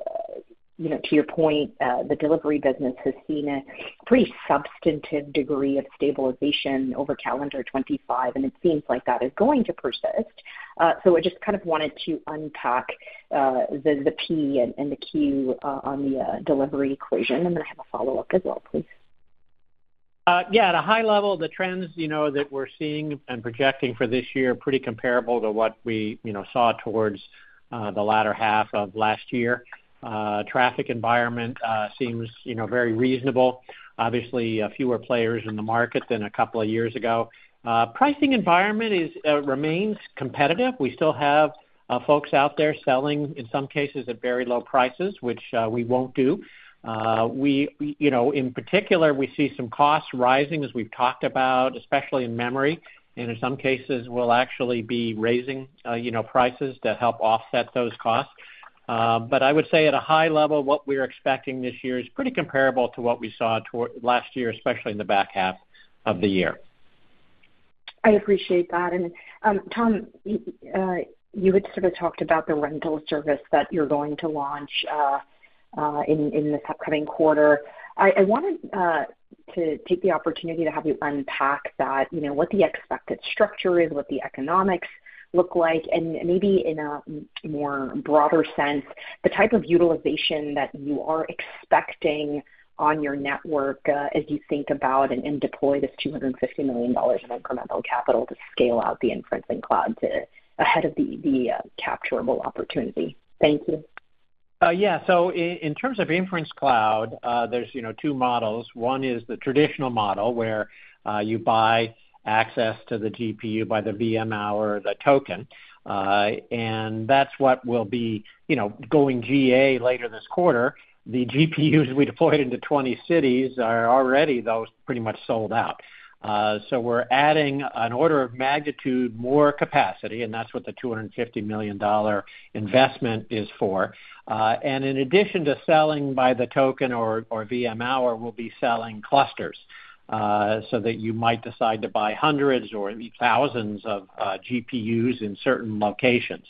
you know, to your point, the delivery business has seen a pretty substantive degree of stabilization over calendar 2025, and it seems like that is going to persist. So I just kind of wanted to unpack the P and the Q on the delivery equation. And then I have a follow-up as well, please. Yeah, at a high level, the trends, you know, that we're seeing and projecting for this year are pretty comparable to what we, you know, saw towards the latter half of last year. Traffic environment seems, you know, very reasonable. Obviously, a fewer players in the market than a couple of years ago. Pricing environment is remains competitive. We still have folks out there selling, in some cases, at very low prices, which we won't do. We, we, you know, in particular, we see some costs rising, as we've talked about, especially in memory, and in some cases, we'll actually be raising, you know, prices to help offset those costs. But I would say at a high level, what we're expecting this year is pretty comparable to what we saw toward last year, especially in the back half of the year. I appreciate that. And, Tom, you had sort of talked about the rental service that you're going to launch, in this upcoming quarter. I wanted to take the opportunity to have you unpack that, you know, what the expected structure is, what the economics look like, and maybe in a more broader sense, the type of utilization that you are expecting on your network, as you think about and deploy this $250 million of incremental capital to scale out the inference in cloud to ahead of the capturable opportunity. Thank you. Yeah. So in terms of inference cloud, you know, there are two models. One is the traditional model, where you buy access to the GPU by the VM hour, the token, and that's what will be, you know, going GA later this quarter. The GPUs we deployed into 20 cities are already, though, pretty much sold out. So we're adding an order of magnitude more capacity, and that's what the $250 million investment is for. And in addition to selling by the token or VM hour, we'll be selling clusters, so that you might decide to buy hundreds or thousands of GPUs in certain locations.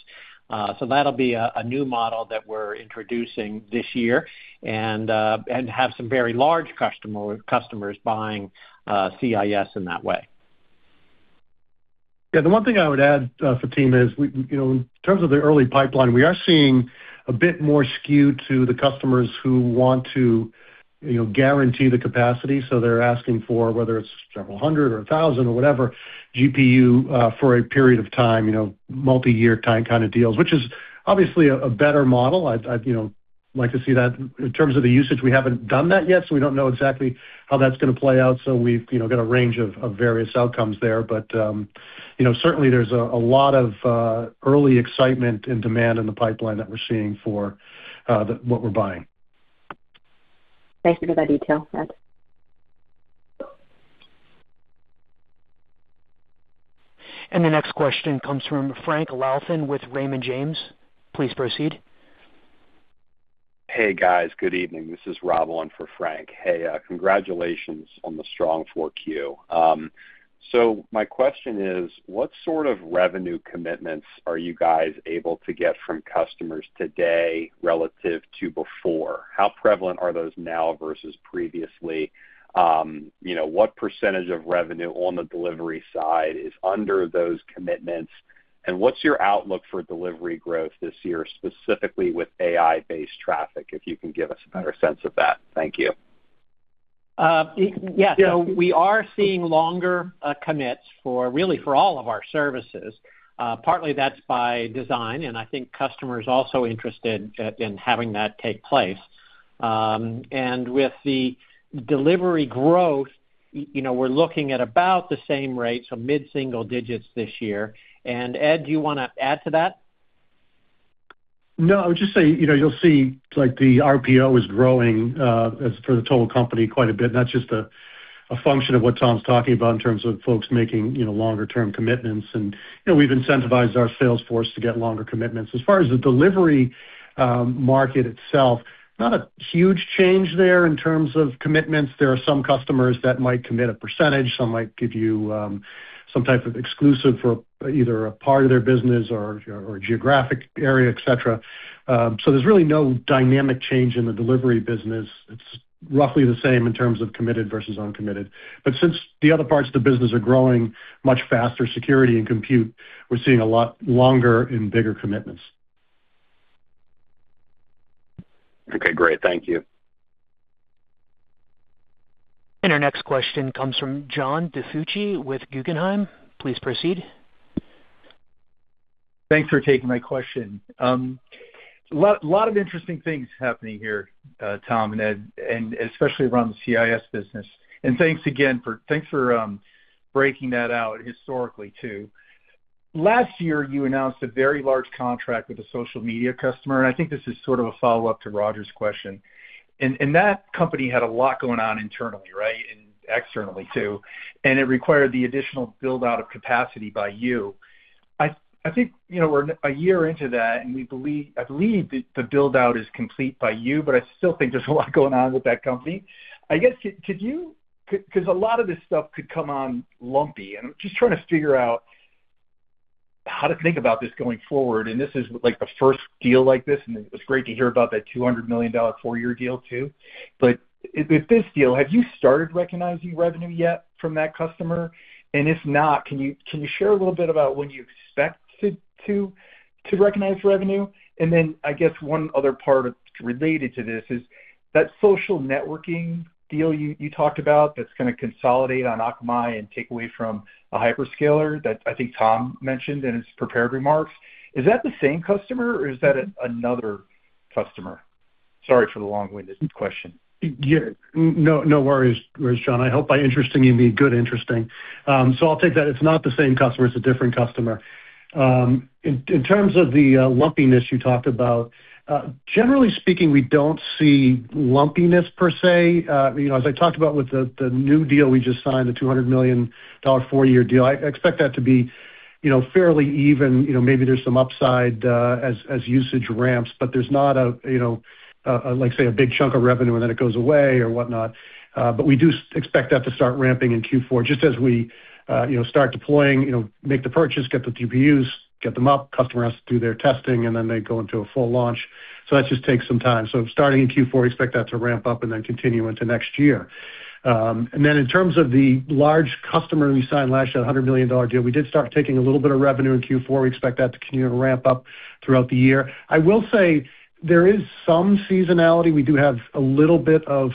So that'll be a new model that we're introducing this year and have some very large customers buying CIS in that way. Yeah, the one thing I would add, Fatima, is we, you know, in terms of the early pipeline, we are seeing a bit more skew to the customers who want to, you know, guarantee the capacity. So they're asking for whether it's several hundred or 1,000 or whatever GPU for a period of time, you know, multiyear time kind of deals, which is obviously a better model. I'd you know, like to see that. In terms of the usage, we haven't done that yet, so we don't know exactly how that's going to play out. So we've, you know, got a range of various outcomes there. But, you know, certainly there's a lot of early excitement and demand in the pipeline that we're seeing for what we're buying. Thanks for that detail, Ed. The next question comes from Frank Louthan with Raymond James. Please proceed. Hey, guys. Good evening. This is Rob on for Frank. Hey, congratulations on the strong 4Q. So my question is, what sort of revenue commitments are you guys able to get from customers today relative to before? How prevalent are those now versus previously? You know, what percentage of revenue on the delivery side is under those commitments, and what's your outlook for delivery growth this year, specifically with AI-based traffic, if you can give us a better sense of that? Thank you. Yeah, we are seeing longer commits for really, for all of our services. Partly that's by design, and I think customers are also interested in having that take place. With the delivery growth, you know, we're looking at about the same rate, so mid-single digits this year. Ed, do you want to add to that? No, I would just say, you know, you'll see, like, the RPO is growing as for the total company, quite a bit, and that's just a function of what Tom's talking about in terms of folks making, you know, longer-term commitments. You know, we've incentivized our sales force to get longer commitments. As far as the delivery market itself, not a huge change there in terms of commitments. There are some customers that might commit a percentage. Some might give you some type of exclusive for either a part of their business or geographic area, et cetera. So there's really no dynamic change in the delivery business. It's roughly the same in terms of committed versus uncommitted. But since the other parts of the business are growing much faster, security and compute, we're seeing a lot longer and bigger commitments. Okay, great. Thank you. Our next question comes from John DiFucci with Guggenheim. Please proceed. Thanks for taking my question. A lot, a lot of interesting things happening here, Tom and Ed, and especially around the CIS business. And thanks again for breaking that out historically, too. Last year, you announced a very large contract with a social media customer, and I think this is sort of a follow-up to Roger's question. And that company had a lot going on internally, right, and externally, too, and it required the additional build-out of capacity by you. I think, you know, we're a year into that, and we believe, I believe the build-out is complete by you, but I still think there's a lot going on with that company. I guess, could you—'cause a lot of this stuff could come in lumpy, and I'm just trying to figure out how to think about this going forward. And this is, like, the first deal like this, and it's great to hear about that $200 million four-year deal, too. But with this deal, have you started recognizing revenue yet from that customer? And if not, can you share a little bit about when you expect to recognize revenue? And then I guess one other part related to this is, that social networking deal you talked about, that's gonna consolidate on Akamai and take away from a hyperscaler that I think Tom mentioned in his prepared remarks, is that the same customer or is that another customer? Sorry for the long-winded question. Yeah. No, no worries, John. I hope by interesting, you mean good interesting. So I'll take that. It's not the same customer, it's a different customer. In, in terms of the lumpiness you talked about, generally speaking, we don't see lumpiness per se. You know, as I talked about with the new deal we just signed, the $200 million four-year deal, I expect that to be, you know, fairly even. You know, maybe there's some upside, as usage ramps, but there's not a, you know, like, say, a big chunk of revenue, and then it goes away or whatnot. But we do expect that to start ramping in Q4, just as we, you know, start deploying, you know, make the purchase, get the TPUs, get them up, customer has to do their testing, and then they go into a full launch. So that just takes some time. So starting in Q4, we expect that to ramp up and then continue into next year. And then in terms of the large customer we signed last year, that $100 million deal, we did start taking a little bit of revenue in Q4. We expect that to continue to ramp up throughout the year. I will say there is some seasonality. We do have a little bit of,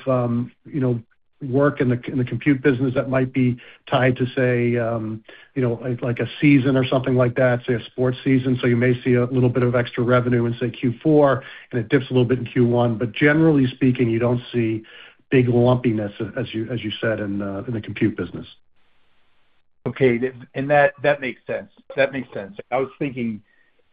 you know, work in the compute business that might be tied to say, you know, like, a season or something like that, say, a sports season. So you may see a little bit of extra revenue in, say, Q4, and it dips a little bit in Q1. But generally speaking, you don't see big lumpiness, as you, as you said, in the compute business. Okay. And that, that makes sense. That makes sense. I was thinking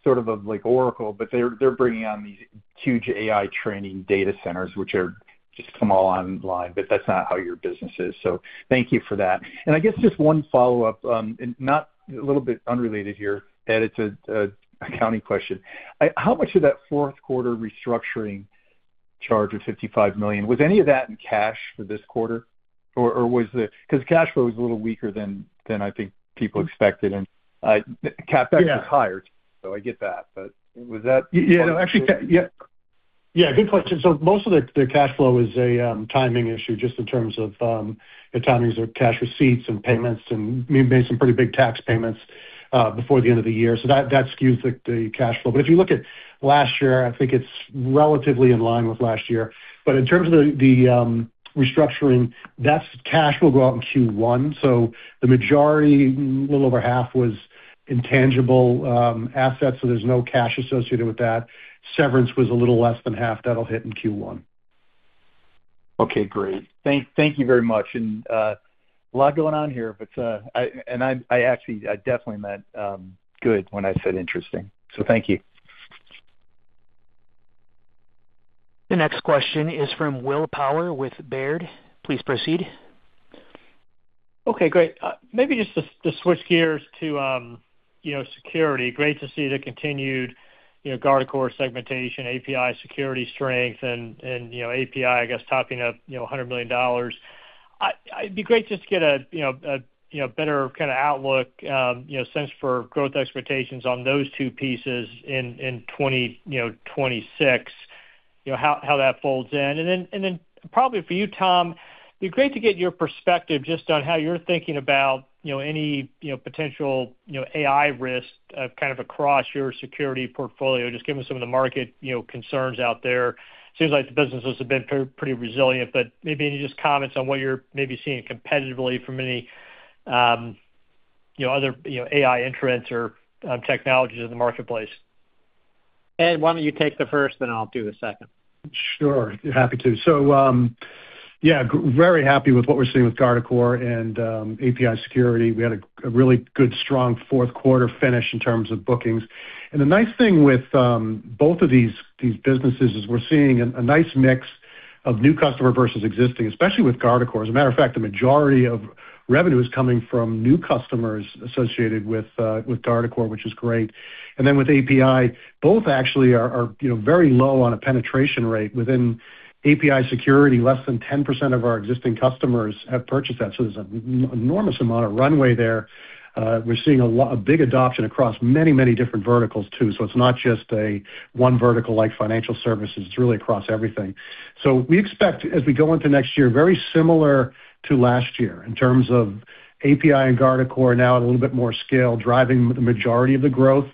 sort of like Oracle, but they're, they're bringing on these huge AI training data centers, which are just come all online, but that's not how your business is. So thank you for that. And I guess just one follow-up, and not, a little bit unrelated here, Ed, it's a, a accounting question. How much of that fourth quarter restructuring charge of $55 million, was any of that in cash for this quarter? Or, or was it, because cash flow was a little weaker than, than I think people expected, and, CapEx was higher, so I get that. But was that? Yeah, actually, yeah. Yeah, good question. So most of the cash flow is a timing issue, just in terms of the timings of cash receipts and payments, and we made some pretty big tax payments before the end of the year, so that skews the cash flow. But if you look at last year, I think it's relatively in line with last year. But in terms of the restructuring, that's cash will go out in Q1. So the majority, little over half was intangible assets, so there's no cash associated with that. Severance was a little less than half. That'll hit in Q1. Okay, great. Thank you very much. And a lot going on here, but I, and I actually definitely meant good when I said interesting. So thank you. The next question is from Will Power with Baird. Please proceed. Okay, great. Maybe just to switch gears to, you know, security, great to see the continued, you know, Guardicore Segmentation, API Security strength, and, and, you know, API, I guess, topping up, you know, $100 million. It'd be great just to get a, you know, a, you know, better kind of outlook, you know, sense for growth expectations on those two pieces in, in 2026. You know, how that folds in. And then, and then probably for you, Tom, it'd be great to get your perspective just on how you're thinking about, you know, any, you know, potential, you know, AI risk, kind of across your security portfolio, just given some of the market, you know, concerns out there. Seems like the businesses have been pretty, pretty resilient, but maybe any just comments on what you're maybe seeing competitively from any, you know, other, you know, AI entrants or, technologies in the marketplace. Ed, why don't you take the first, then I'll do the second? Sure. Happy to. So, yeah, very happy with what we're seeing with Guardicore and API Security. We had a really good, strong fourth quarter finish in terms of bookings. And the nice thing with both of these businesses is we're seeing a nice mix of new customer versus existing, especially with Guardicore. As a matter of fact, the majority of revenue is coming from new customers associated with Guardicore, which is great. And then with API, both actually are, you know, very low on a penetration rate. Within API Security, less than 10% of our existing customers have purchased that, so there's an enormous amount of runway there. We're seeing a lot, a big adoption across many, many different verticals, too. So it's not just a one vertical, like financial services, it's really across everything. So we expect, as we go into next year, very similar to last year in terms of API and Guardicore, now at a little bit more scale, driving the majority of the growth.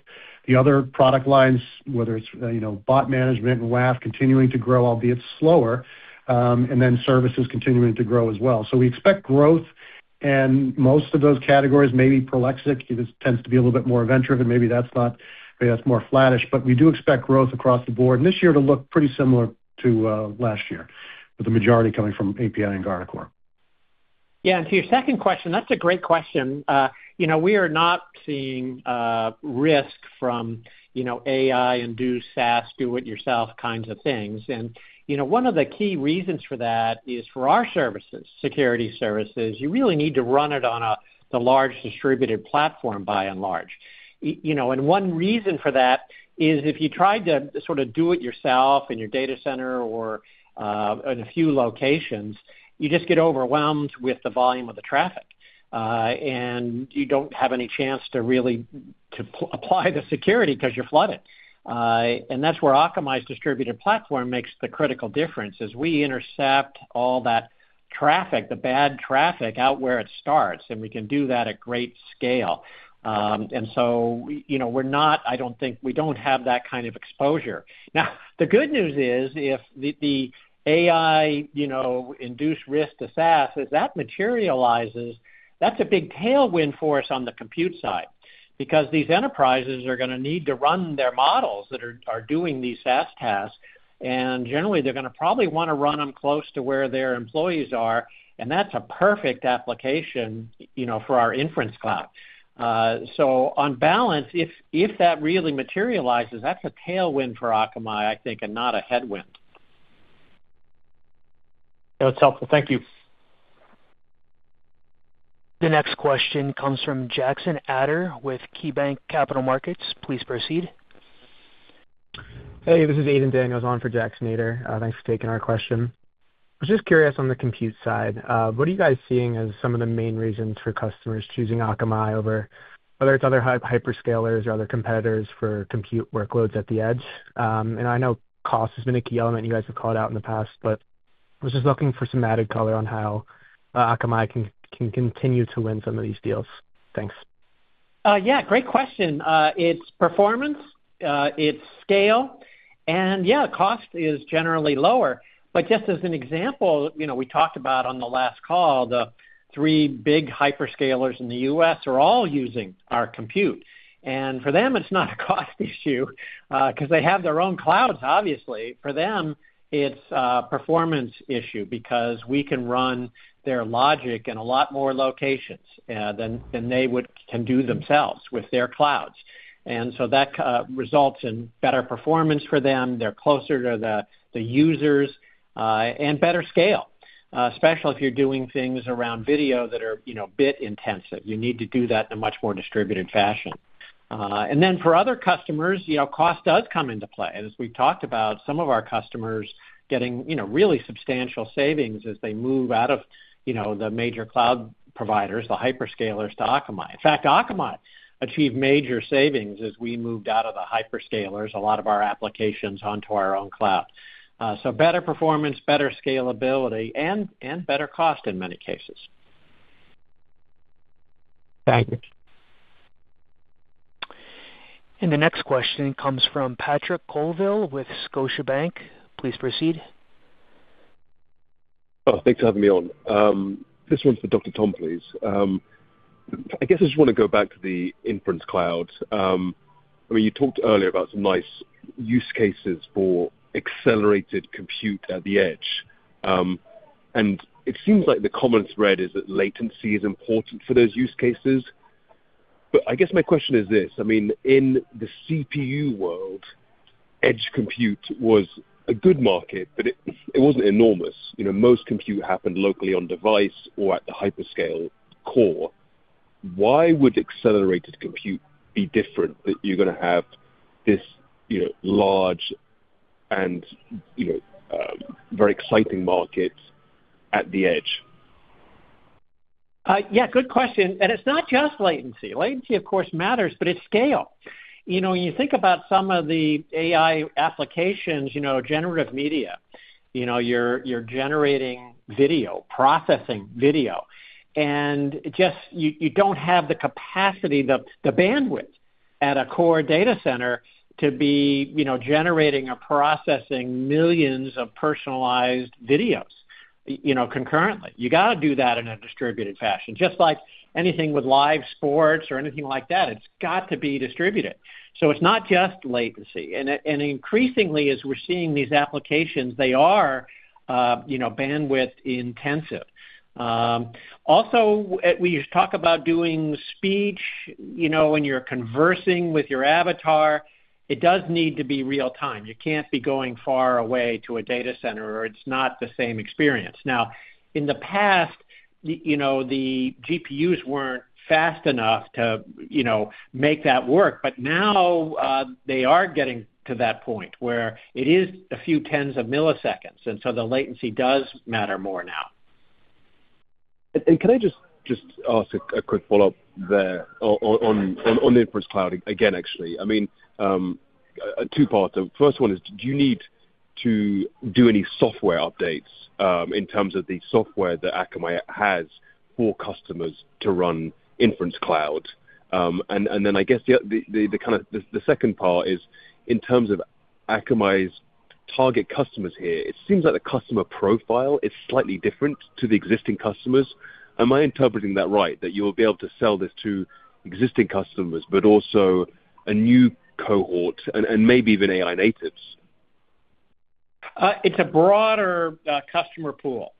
The other product lines, whether it's, you know, bot management and WAF, continuing to grow, albeit slower, and then services continuing to grow as well. So we expect growth in most of those categories, maybe Prolexic, it tends to be a little bit more venture, and maybe that's not, maybe that's more flattish, but we do expect growth across the board, and this year to look pretty similar to last year, with the majority coming from API and Guardicore. Yeah, and to your second question, that's a great question. You know, we are not seeing risk from, you know, AI-induced SaaS, do-it-yourself kinds of things. And, you know, one of the key reasons for that is for our services, security services, you really need to run it on a large distributed platform, by and large. You know, and one reason for that is if you tried to sort of do it yourself in your data center or in a few locations, you just get overwhelmed with the volume of the traffic, and you don't have any chance to really apply the security because you're flooded. And that's where Akamai's distributed platform makes the critical difference, is we intercept all that traffic, the bad traffic, out where it starts, and we can do that at great scale. And so, you know, we're not, I don't think, we don't have that kind of exposure. Now, the good news is, if the AI, you know, induced risk to SaaS, if that materializes, that's a big tailwind for us on the compute side, because these enterprises are gonna need to run their models that are doing these SaaS tasks, and generally, they're gonna probably wanna run them close to where their employees are, and that's a perfect application, you know, for our inference cloud. So on balance, if that really materializes, that's a tailwind for Akamai, I think, and not a headwind. That's helpful. Thank you. The next question comes from Jackson Ader with KeyBanc Capital Markets. Please proceed. Hey, this is Aidan Daniels on for Jackson Ader. Thanks for taking our question. I was just curious on the compute side, what are you guys seeing as some of the main reasons for customers choosing Akamai over, whether it's other hyperscalers or other competitors, for compute workloads at the edge? I know cost has been a key element you guys have called out in the past, but I was just looking for some added color on how, Akamai can continue to win some of these deals. Thanks. Yeah, great question. It's performance, it's scale, and yeah, cost is generally lower. But just as an example, you know, we talked about on the last call, the three big hyperscalers in the U.S. are all using our compute. And for them, it's not a cost issue, because they have their own clouds, obviously. For them, it's a performance issue, because we can run their logic in a lot more locations than they can do themselves with their clouds. And so that results in better performance for them. They're closer to the users and better scale, especially if you're doing things around video that are, you know, bit intensive. You need to do that in a much more distributed fashion. And then for other customers, you know, cost does come into play. As we've talked about, some of our customers getting, you know, really substantial savings as they move out of, you know, the major cloud providers, the hyperscalers, to Akamai. In fact, Akamai achieved major savings as we moved out of the hyperscalers, a lot of our applications onto our own cloud. So better performance, better scalability, and better cost in many cases. Thank you. The next question comes from Patrick Colville with Scotiabank. Please proceed. Oh, thanks for having me on. This one's for Dr. Tom, please. I guess I just want to go back to the inference cloud. I mean, you talked earlier about some nice use cases for accelerated compute at the edge. And it seems like the common thread is that latency is important for those use cases. But I guess my question is this: I mean, in the CPU world, edge compute was a good market, but it wasn't enormous. You know, most compute happened locally on device or at the hyperscale core. Why would accelerated compute be different, that you're gonna have this, you know, large and, you know, very exciting market at the edge? Yeah, good question. And it's not just latency. Latency, of course, matters, but it's scale. You know, when you think about some of the AI applications, you know, generative media, you know, you're generating video, processing video, and just, you don't have the capacity, the bandwidth at a core data center to be, you know, generating or processing millions of personalized videos, you know, concurrently. You gotta do that in a distributed fashion. Just like anything with live sports or anything like that, it's got to be distributed. So it's not just latency. And increasingly, as we're seeing these applications, they are, you know, bandwidth intensive. Also, we talk about doing speech. You know, when you're conversing with your avatar, it does need to be real time. You can't be going far away to a data center, or it's not the same experience. Now, in the past, you know, the GPUs weren't fast enough to, you know, make that work, but now, they are getting to that point where it is a few tens of milliseconds, and so the latency does matter more now. Can I just ask a quick follow-up there on inference cloud again, actually? I mean, two parts. The first one is, do you need to do any software updates in terms of the software that Akamai has for customers to run inference cloud? And then I guess the second part is, in terms of Akamai's target customers here, it seems like the customer profile is slightly different to the existing customers. Am I interpreting that right, that you'll be able to sell this to existing customers, but also a new cohort and maybe even AI natives? It's a broader customer pool.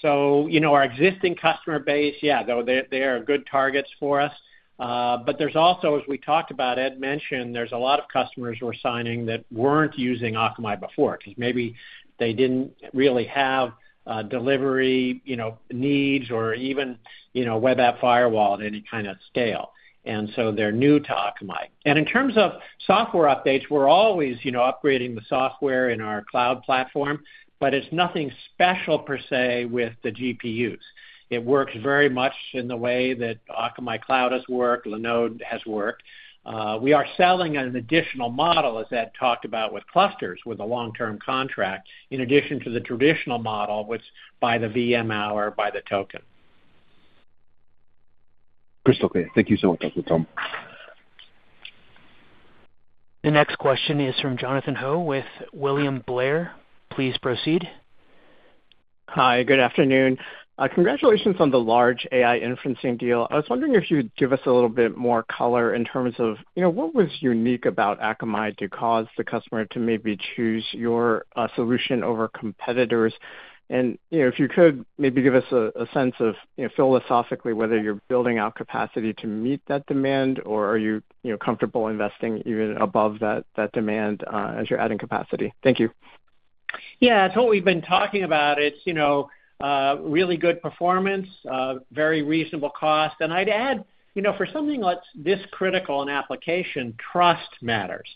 So, you know, our existing customer base, yeah, they, they are good targets for us. But there's also, as we talked about, Ed mentioned, there's a lot of customers we're signing that weren't using Akamai before. Maybe they didn't really have delivery, you know, needs or even, you know, web app firewall at any kind of scale, and so they're new to Akamai. And in terms of software updates, we're always, you know, upgrading the software in our cloud platform, but it's nothing special per se, with the GPUs. It works very much in the way that Akamai cloud has worked, Linode has worked. We are selling an additional model, as Ed talked about, with clusters with a long-term contract, in addition to the traditional model, which by the VM hour, by the token. Crystal clear. Thank you so much, Tom. The next question is from Jonathan Ho with William Blair. Please proceed. Hi, good afternoon. Congratulations on the large AI inferencing deal. I was wondering if you'd give us a little bit more color in terms of, you know, what was unique about Akamai to cause the customer to maybe choose your solution over competitors. And, you know, if you could, maybe give us a sense of, you know, philosophically, whether you're building out capacity to meet that demand, or are you, you know, comfortable investing even above that demand as you're adding capacity? Thank you. Yeah, it's what we've been talking about. It's, you know, really good performance, very reasonable cost. And I'd add, you know, for something that's this critical, an application, trust matters.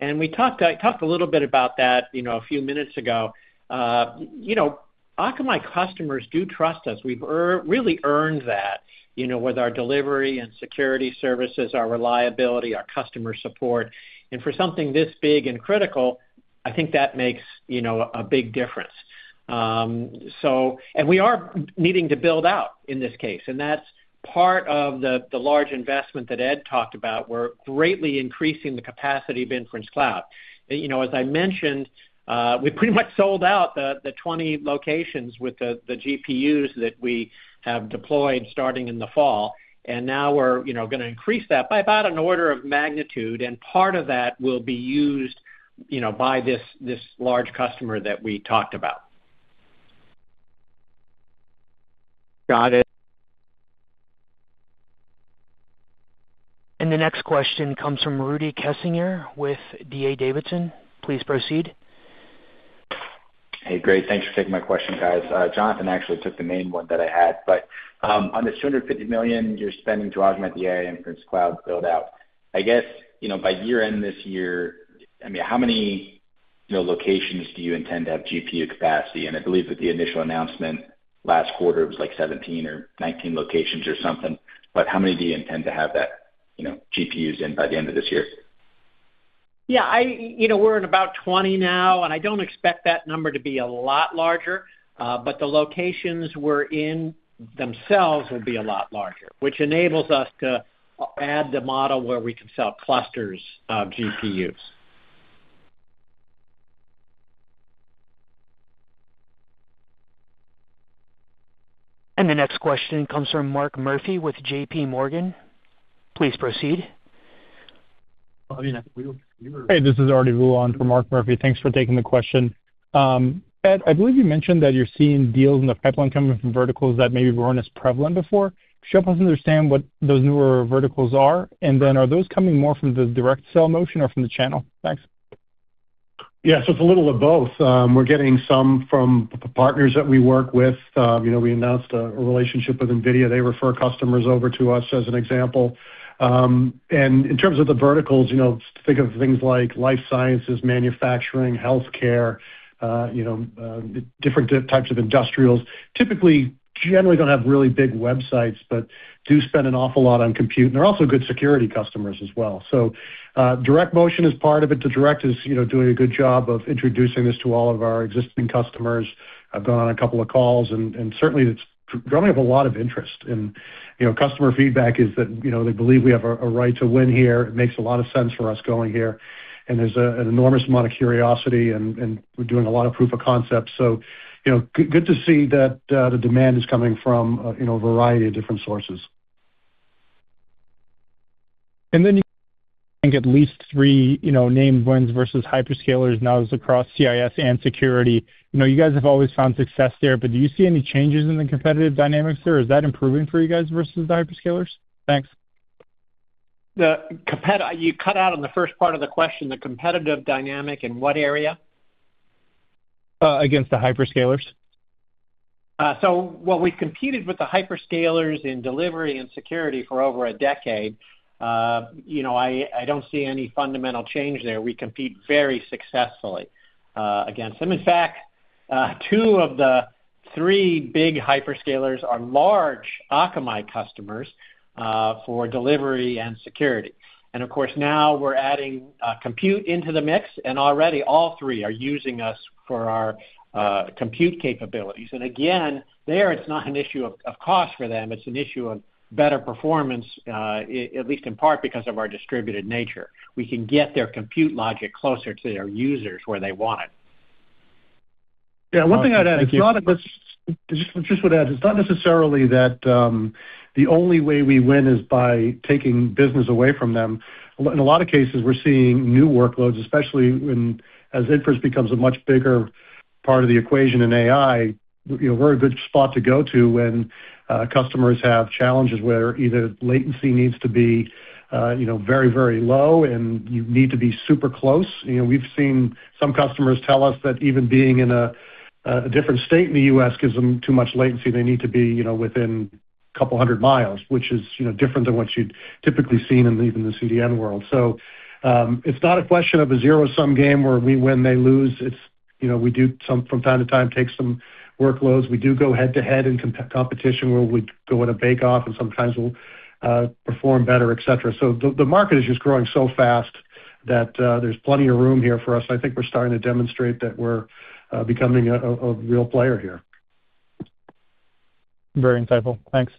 And we talked, I talked a little bit about that, you know, a few minutes ago. You know, Akamai customers do trust us. We've really earned that, you know, with our delivery and security services, our reliability, our customer support. And for something this big and critical, I think that makes, you know, a big difference. So, and we are needing to build out in this case, and that's part of the, the large investment that Ed talked about. We're greatly increasing the capacity of inference cloud. You know, as I mentioned, we pretty much sold out the 20 locations with the GPUs that we have deployed starting in the fall, and now we're, you know, gonna increase that by about an order of magnitude, and part of that will be used, you know, by this large customer that we talked about. Got it. The next question comes from Rudy Kessinger with D.A. Davidson. Please proceed. Hey, great. Thanks for taking my question, guys. Jonathan actually took the main one that I had. But on the $250 million you're spending to augment the AI inference cloud build-out, I guess, you know, by year-end this year, I mean, how many, you know, locations do you intend to have GPU capacity? And I believe that the initial announcement last quarter was, like, 17 or 19 locations or something, but how many do you intend to have that, you know, GPUs in by the end of this year? Yeah, you know, we're at about 20 now, and I don't expect that number to be a lot larger, but the locations we're in themselves will be a lot larger, which enables us to add the model where we can sell clusters of GPUs. The next question comes from Mark Murphy with JPMorgan. Please proceed. Hey, this is Arti Vula on for Mark Murphy. Thanks for taking the question. Ed, I believe you mentioned that you're seeing deals in the pipeline coming from verticals that maybe weren't as prevalent before. Could you help us understand what those newer verticals are, and then are those coming more from the direct sell motion or from the channel? Thanks. Yeah, so it's a little of both. We're getting some from the partners that we work with. You know, we announced a relationship with NVIDIA. They refer customers over to us, as an example. And in terms of the verticals, you know, think of things like life sciences, manufacturing, healthcare, you know, different types of industrials. Typically, generally, don't have really big websites, but do spend an awful lot on compute, and they're also good security customers as well. So, direct motion is part of it. The direct is, you know, doing a good job of introducing this to all of our existing customers. I've gone on a couple of calls, and certainly, it's drumming up a lot of interest. And, you know, customer feedback is that, you know, they believe we have a right to win here. It makes a lot of sense for us going here, and there's an enormous amount of curiosity, and we're doing a lot of proof of concepts. So, you know, good to see that the demand is coming from, you know, a variety of different sources. And then I think at least three, you know, named wins versus hyperscalers now is across CIS and security. You know, you guys have always found success there, but do you see any changes in the competitive dynamics there? Is that improving for you guys versus the hyperscalers? Thanks. You cut out on the first part of the question, the competitive dynamic in what area? Against the hyperscalers. Well, we've competed with the hyperscalers in delivery and security for over a decade. You know, I don't see any fundamental change there. We compete very successfully against them. In fact, two of the three big hyperscalers are large Akamai customers for delivery and security. And of course, now we're adding compute into the mix, and already all three are using us for our compute capabilities. And again, it's not an issue of cost for them, it's an issue of better performance, at least in part, because of our distributed nature. We can get their compute logic closer to their users where they want it. Yeah, one thing I'd add, it's not necessarily that the only way we win is by taking business away from them. In a lot of cases, we're seeing new workloads, especially when, as inference becomes a much bigger part of the equation in AI, you know, we're a good spot to go to when customers have challenges where either latency needs to be, you know, very, very low and you need to be super close. You know, we've seen some customers tell us that even being in a different state in the U.S. gives them too much latency. They need to be, you know, within a couple hundred miles, which is, you know, different than what you'd typically seen in even the CDN world. So, it's not a question of a zero-sum game where we win, they lose. It's, you know, we do some from time to time, take some workloads. We do go head-to-head in competition, where we go in a bake off and sometimes we'll perform better, et cetera. So the market is just growing so fast that there's plenty of room here for us. I think we're starting to demonstrate that we're becoming a real player here. Very insightful. Thanks.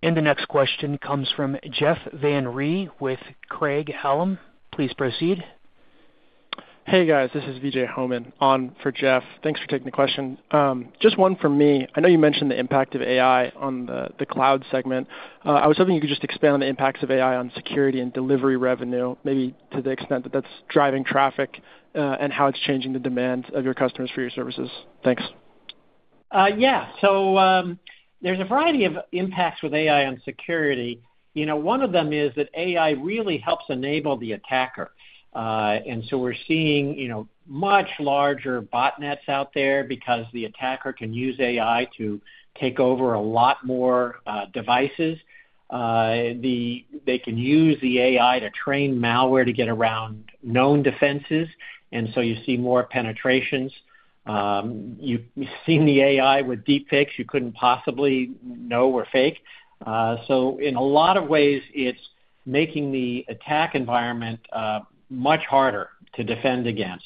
The next question comes from Jeff Van Rhee with Craig-Hallum. Please proceed. Hey, guys, this is Vijay Homan on for Jeff. Thanks for taking the question. Just one from me. I know you mentioned the impact of AI on the cloud segment. I was hoping you could just expand on the impacts of AI on security and delivery revenue, maybe to the extent that that's driving traffic, and how it's changing the demands of your customers for your services. Thanks. Yeah. So, there's a variety of impacts with AI on security. You know, one of them is that AI really helps enable the attacker. And so we're seeing, you know, much larger botnets out there because the attacker can use AI to take over a lot more, devices. They can use the AI to train malware to get around known defenses, and so you see more penetrations. You've seen the AI with deepfakes you couldn't possibly know were fake. So in a lot of ways, it's making the attack environment, much harder to defend against.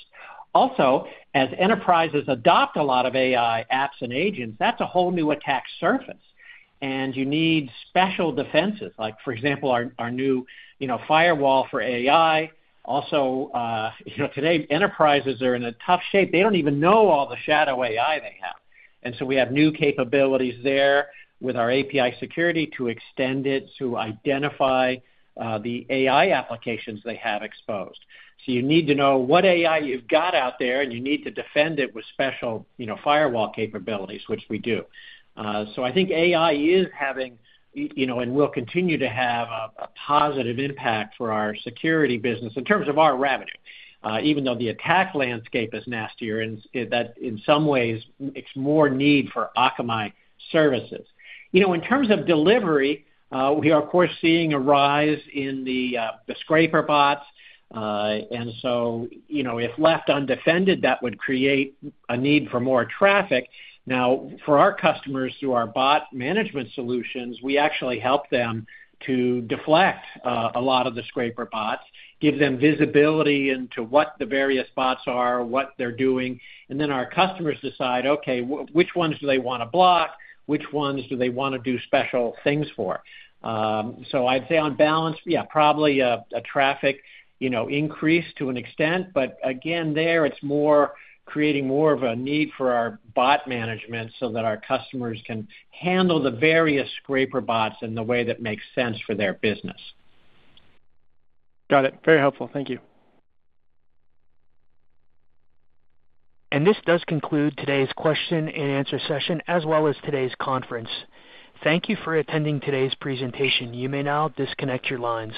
Also, as enterprises adopt a lot of AI apps and agents, that's a whole new attack surface, and you need special defenses. Like, for example, our new, you know, firewall for AI. Also, you know, today, enterprises are in a tough shape. They don't even know all the shadow AI they have. And so we have new capabilities there with our API Security to extend it, to identify, the AI applications they have exposed. So you need to know what AI you've got out there, and you need to defend it with special, you know, firewall capabilities, which we do. So I think AI is having, you know, and will continue to have a, a positive impact for our security business in terms of our revenue, even though the attack landscape is nastier, and, that in some ways, it's more need for Akamai services. You know, in terms of delivery, we are, of course, seeing a rise in the, the scraper bots. And so, you know, if left undefended, that would create a need for more traffic. Now, for our customers, through our bot management solutions, we actually help them to deflect a lot of the scraper bots, give them visibility into what the various bots are, what they're doing, and then our customers decide, okay, which ones do they want to block, which ones do they want to do special things for? So I'd say on balance, yeah, probably a traffic, you know, increase to an extent, but again, there, it's more creating more of a need for our bot management so that our customers can handle the various scraper bots in the way that makes sense for their business. Got it. Very helpful. Thank you. This does conclude today's question and answer session, as well as today's conference. Thank you for attending today's presentation. You may now disconnect your line.